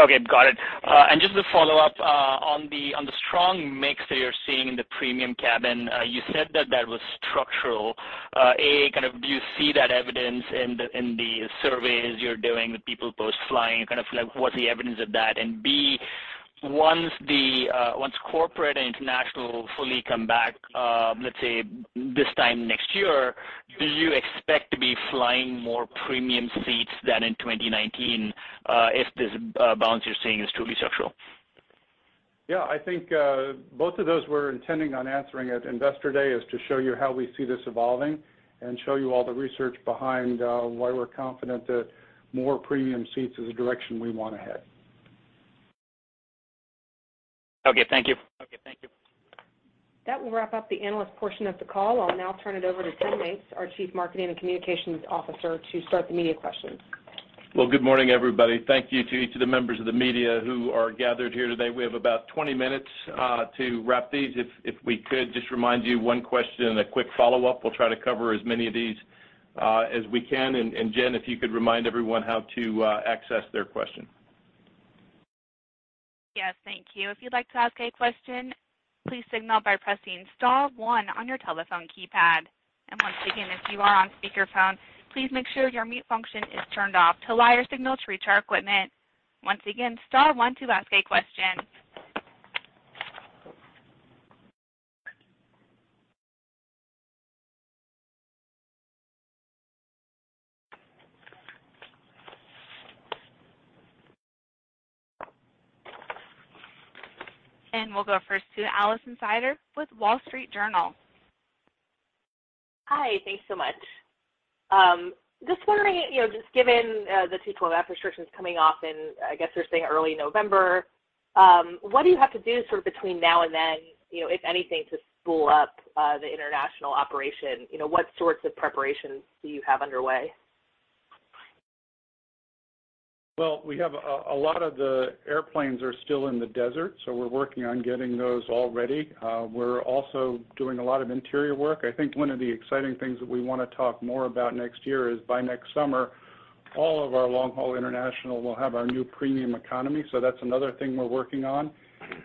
Okay. Got it. Just to follow up, on the strong mix that you're seeing in the premium cabin, you said that that was structural. A, do you see that evidence in the surveys you're doing with people post-flying, kind of like what's the evidence of that? B, once corporate and international fully come back, let's say this time next year, do you expect to be flying more premium seats than in 2019 if this balance you're seeing is truly structural? Yeah, I think both of those we're intending on answering at Investor Day is to show you how we see this evolving and show you all the research behind why we're confident that more premium seats is the direction we want to head. Okay, thank you. That will wrap up the analyst portion of the call. I'll now turn it over to Tim Mapes, our Chief Marketing and Communications Officer, to start the media questions. Well, good morning, everybody. Thank you to each of the members of the media who are gathered here today. We have about 20 minutes to wrap these. If we could just remind you 1 question and a quick follow-up. We'll try to cover as many of these as we can. Jen, if you could remind everyone how to access their question. Yes, thank you. If you'd like to ask a question, please signal by pressing star one on your telephone keypad. Once again, if you are on speakerphone, please make sure your mute function is turned off to allow your signal to reach our equipment. Once again, star one to ask a question. We'll go first to Alison Sider with Wall Street Journal. Hi, thanks so much. Just wondering, just given the 212 restrictions coming off in, I guess they're saying early November, what do you have to do sort of between now and then, if anything, to spool up the international operation? What sorts of preparations do you have underway? We have a lot of the airplanes are still in the desert. We're working on getting those all ready. We're also doing a lot of interior work. I think one of the exciting things that we want to talk more about next year is by next summer, all of our long-haul international will have our new premium economy. That's another thing we're working on.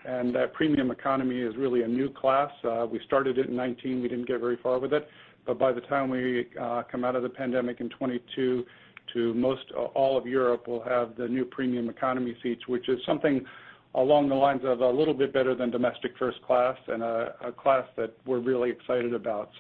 That premium economy is really a new class. We started it in 2019. We didn't get very far with it. By the time we come out of the pandemic in 2022, to most all of Europe will have the new premium economy seats, which is something along the lines of a little bit better than domestic first class and a class that we're really excited about,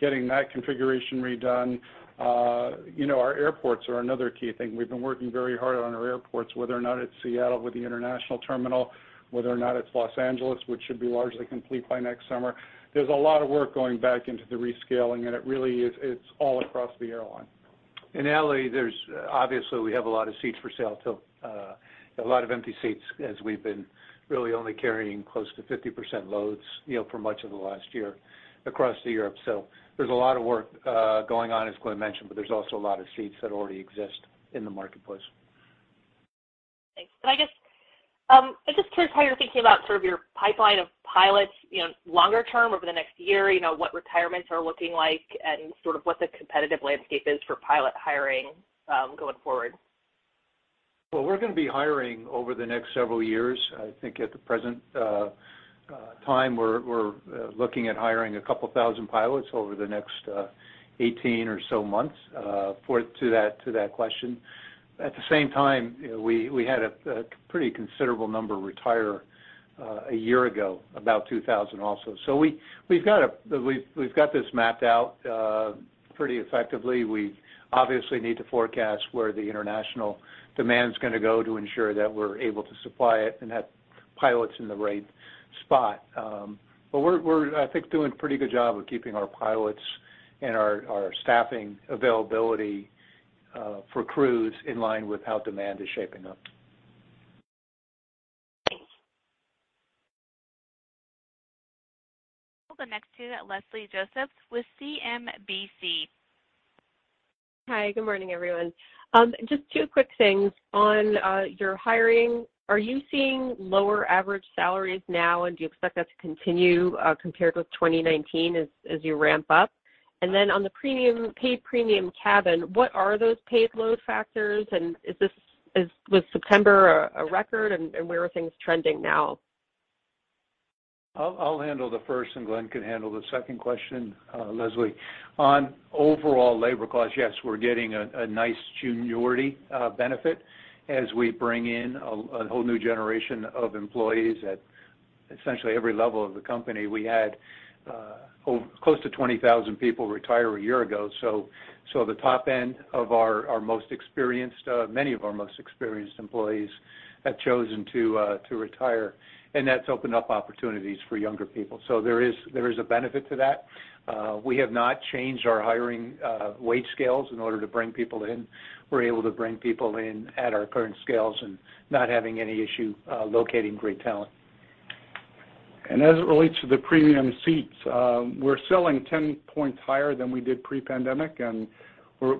getting that configuration redone. Our airports are another key thing. We've been working very hard on our airports, whether or not it's Seattle with the international terminal, whether or not it's Los Angeles, which should be largely complete by next summer. There's a lot of work going back into the rescaling, and it really is all across the airline. In L.A., obviously we have a lot of seats for sale too, a lot of empty seats as we've been really only carrying close to 50% loads for much of the last year across to Europe. There's a lot of work going on, as Glen mentioned, but there's also a lot of seats that already exist in the marketplace. Thanks. I'm just curious how you're thinking about sort of your pipeline of pilots longer term over the next year, what retirements are looking like and sort of what the competitive landscape is for pilot hiring going forward. Well, we're going to be hiring over the next several years. I think at the present time, we're looking at hiring a couple thousand pilots over the next 18 or so months, to that question. At the same time, we had a pretty considerable number retire a year ago, about 2,000 also. We've got this mapped out pretty effectively. We obviously need to forecast where the international demand's going to go to ensure that we're able to supply it and have pilots in the right spot. We're, I think, doing a pretty good job of keeping our pilots and our staffing availability for crews in line with how demand is shaping up. Thanks. We'll go next to Leslie Josephs with CNBC. Hi, good morning, everyone. Just two quick things. On your hiring, are you seeing lower average salaries now, and do you expect that to continue compared with 2019 as you ramp up? On the paid premium cabin, what are those paid load factors, and was September a record, and where are things trending now? I'll handle the first, and Glen can handle the second question, Leslie. On overall labor costs, yes, we're getting a nice seniority benefit as we bring in a whole new generation of employees at essentially every level of the company. We had close to 20,000 people retire a year ago, so the top end of our most experienced, many of our most experienced employees have chosen to retire, and that's opened up opportunities for younger people. There is a benefit to that. We have not changed our hiring wage scales in order to bring people in. We're able to bring people in at our current scales and not having any issue locating great talent. As it relates to the premium seats, we're selling 10 points higher than we did pre-pandemic, and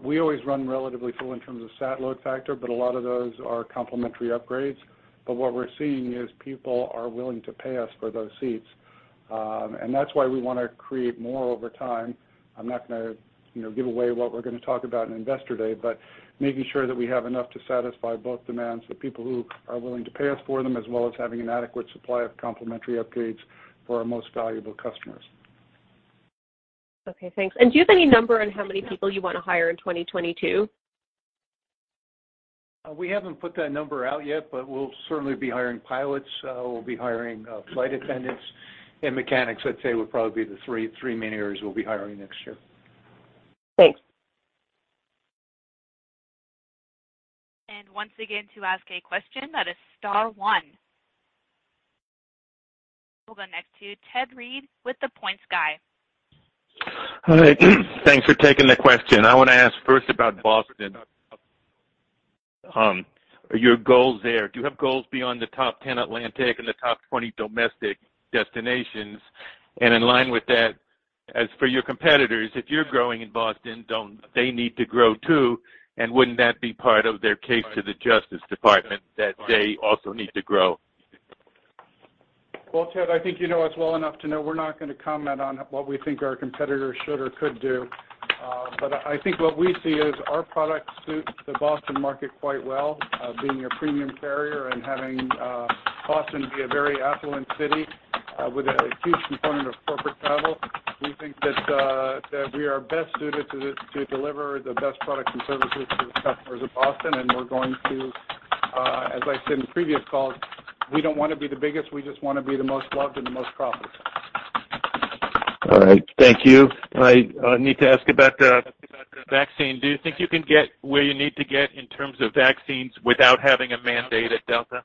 we always run relatively full in terms of seat load factor, but a lot of those are complimentary upgrades. But what we're seeing is people are willing to pay us for those seats. And that's why we want to create more over time. I'm not going to give away what we're going to talk about in Investor Day, but making sure that we have enough to satisfy both demands, the people who are willing to pay us for them, as well as having an adequate supply of complimentary upgrades for our most valuable customers. Okay, thanks. Do you have any number on how many people you want to hire in 2022? We haven't put that number out yet, but we'll certainly be hiring pilots. We'll be hiring flight attendants, and mechanics, I'd say, would probably be the three main areas we'll be hiring next year. Thanks. Once again, to ask a question, that is star one. We will go next to Ted Reed with The Points Guy. Hi. Thanks for taking the question. I want to ask first about Boston, your goals there. Do you have goals beyond the top 10 Atlantic and the top 20 domestic destinations? In line with that, as for your competitors, if you're growing in Boston, don't they need to grow, too? Wouldn't that be part of their case to the Justice Department that they also need to grow? Well, Ted, I think you know us well enough to know we're not going to comment on what we think our competitors should or could do. I think what we see is our product suits the Boston market quite well, being a premium carrier and having Boston be a very affluent city with a huge component of corporate travel. We think that we are best suited to deliver the best products and services to the customers of Boston, and we're going to, as I said in previous calls, we don't want to be the biggest, we just want to be the most loved and the most profitable. All right. Thank you. I need to ask about the vaccine. Do you think you can get where you need to get in terms of vaccines without having a mandate at Delta?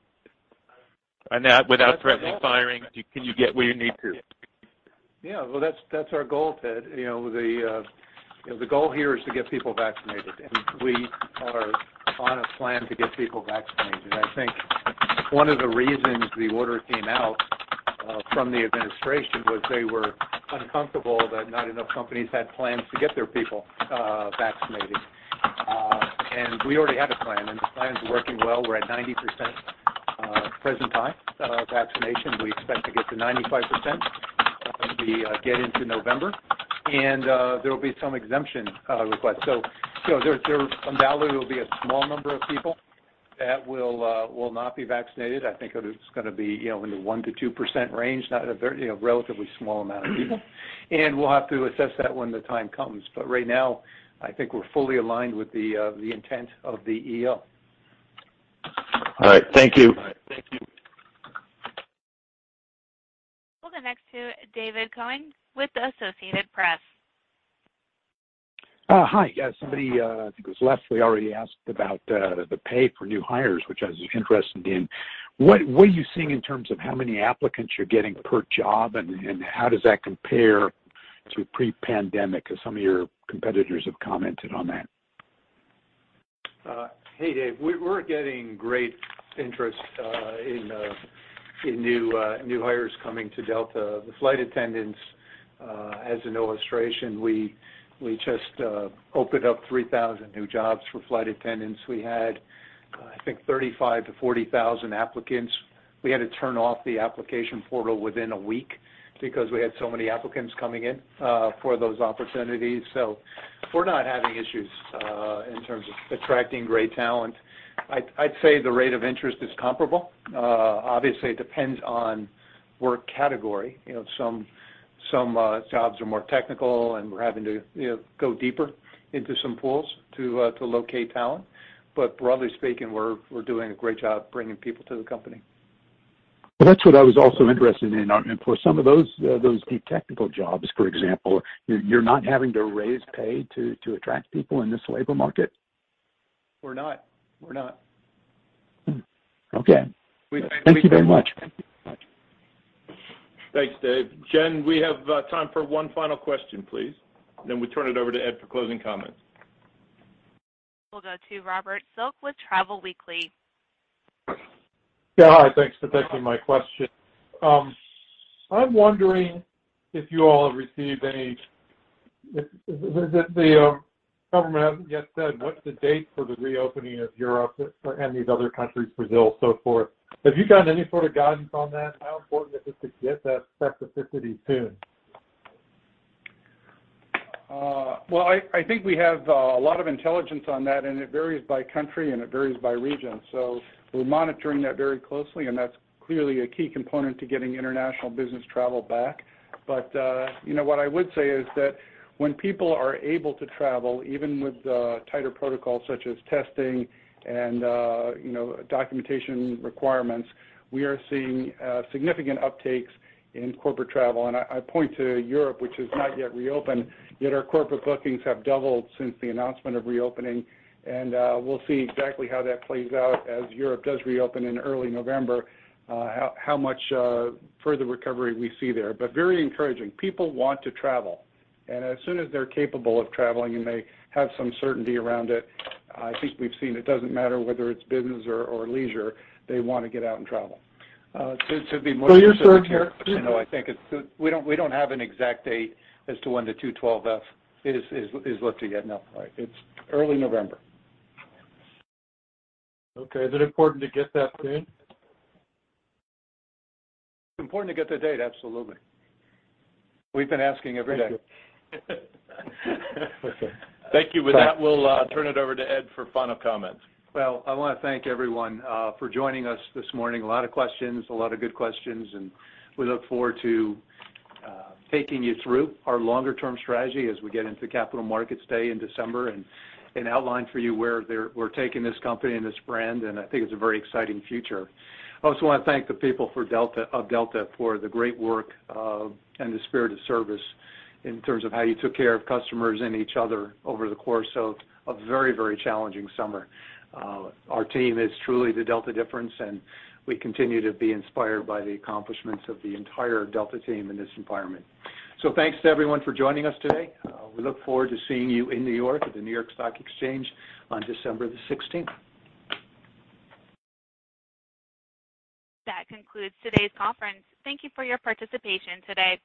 Without threatening firing, can you get where you need to? Well, that's our goal, Ted. The goal here is to get people vaccinated, we are on a plan to get people vaccinated. I think one of the reasons the order came out from the administration was they were uncomfortable that not enough companies had plans to get their people vaccinated. We already had a plan, and the plan's working well. We're at 90% at present time vaccination. We expect to get to 95% as we get into November. There will be some exemption requests. There undoubtedly will be a small number of people that will not be vaccinated. I think it is going to be in the 1%-2% range, a relatively small amount of people. We'll have to assess that when the time comes. Right now, I think we're fully aligned with the intent of the EO. All right. Thank you. All right. Thank you. We'll go next to David Koenig with The Associated Press. Hi. Somebody, I think it was Leslie, already asked about the pay for new hires, which I was interested in. What are you seeing in terms of how many applicants you're getting per job, and how does that compare to pre-pandemic? Some of your competitors have commented on that. Hey, Dave. We're getting great interest in new hires coming to Delta. The flight attendants, as an illustration, we just opened up 3,000 new jobs for flight attendants. We had, I think, 35 to 40,000 applicants. We had to turn off the application portal within a week because we had so many applicants coming in for those opportunities. We're not having issues in terms of attracting great talent. I'd say the rate of interest is comparable. Obviously, it depends on work category. Some jobs are more technical, and we're having to go deeper into some pools to locate talent. Broadly speaking, we're doing a great job bringing people to the company. That's what I was also interested in. For some of those technical jobs, for example, you're not having to raise pay to attract people in this labor market? We're not. Okay. Thank you very much. Thanks, Dave. Jen, we have time for one final question, please. We turn it over to Ed for closing comments. We'll go to Robert Silk with Travel Weekly. Yeah. Hi. Thanks for taking my question. The government hasn't yet said what's the date for the reopening of Europe and these other countries, Brazil, so forth. Have you gotten any sort of guidance on that? How important is it to get that specificity soon? I think we have a lot of intelligence on that, and it varies by country and it varies by region. We're monitoring that very closely, and that's clearly a key component to getting international business travel back. What I would say is that when people are able to travel, even with tighter protocols such as testing and documentation requirements, we are seeing significant uptakes in corporate travel. I point to Europe, which is not yet reopened, yet our corporate bookings have doubled since the announcement of reopening. We'll see exactly how that plays out as Europe does reopen in early November, how much further recovery we see there. Very encouraging. People want to travel. As soon as they're capable of traveling and they have some certainty around it, I think we've seen it doesn't matter whether it's business or leisure, they want to get out and travel. To be more specific here. So you're searching? We don't have an exact date as to when the 212(f) is lifting yet, no. It's early November. Okay. Is it important to get that soon? It's important to get the date, absolutely. We've been asking every day. Thank you. Thank you. With that, we'll turn it over to Ed for final comments. I want to thank everyone for joining us this morning. A lot of questions, a lot of good questions, and we look forward to taking you through our longer-term strategy as we get into Capital Markets Day in December and outline for you where we're taking this company and this brand, and I think it's a very exciting future. I also want to thank the people of Delta for the great work and the spirit of service in terms of how you took care of customers and each other over the course of a very challenging summer. Our team is truly the Delta difference, and we continue to be inspired by the accomplishments of the entire Delta team in this environment. Thanks to everyone for joining us today. We look forward to seeing you in New York at the New York Stock Exchange on December the 16th. That concludes today's conference. Thank you for your participation today.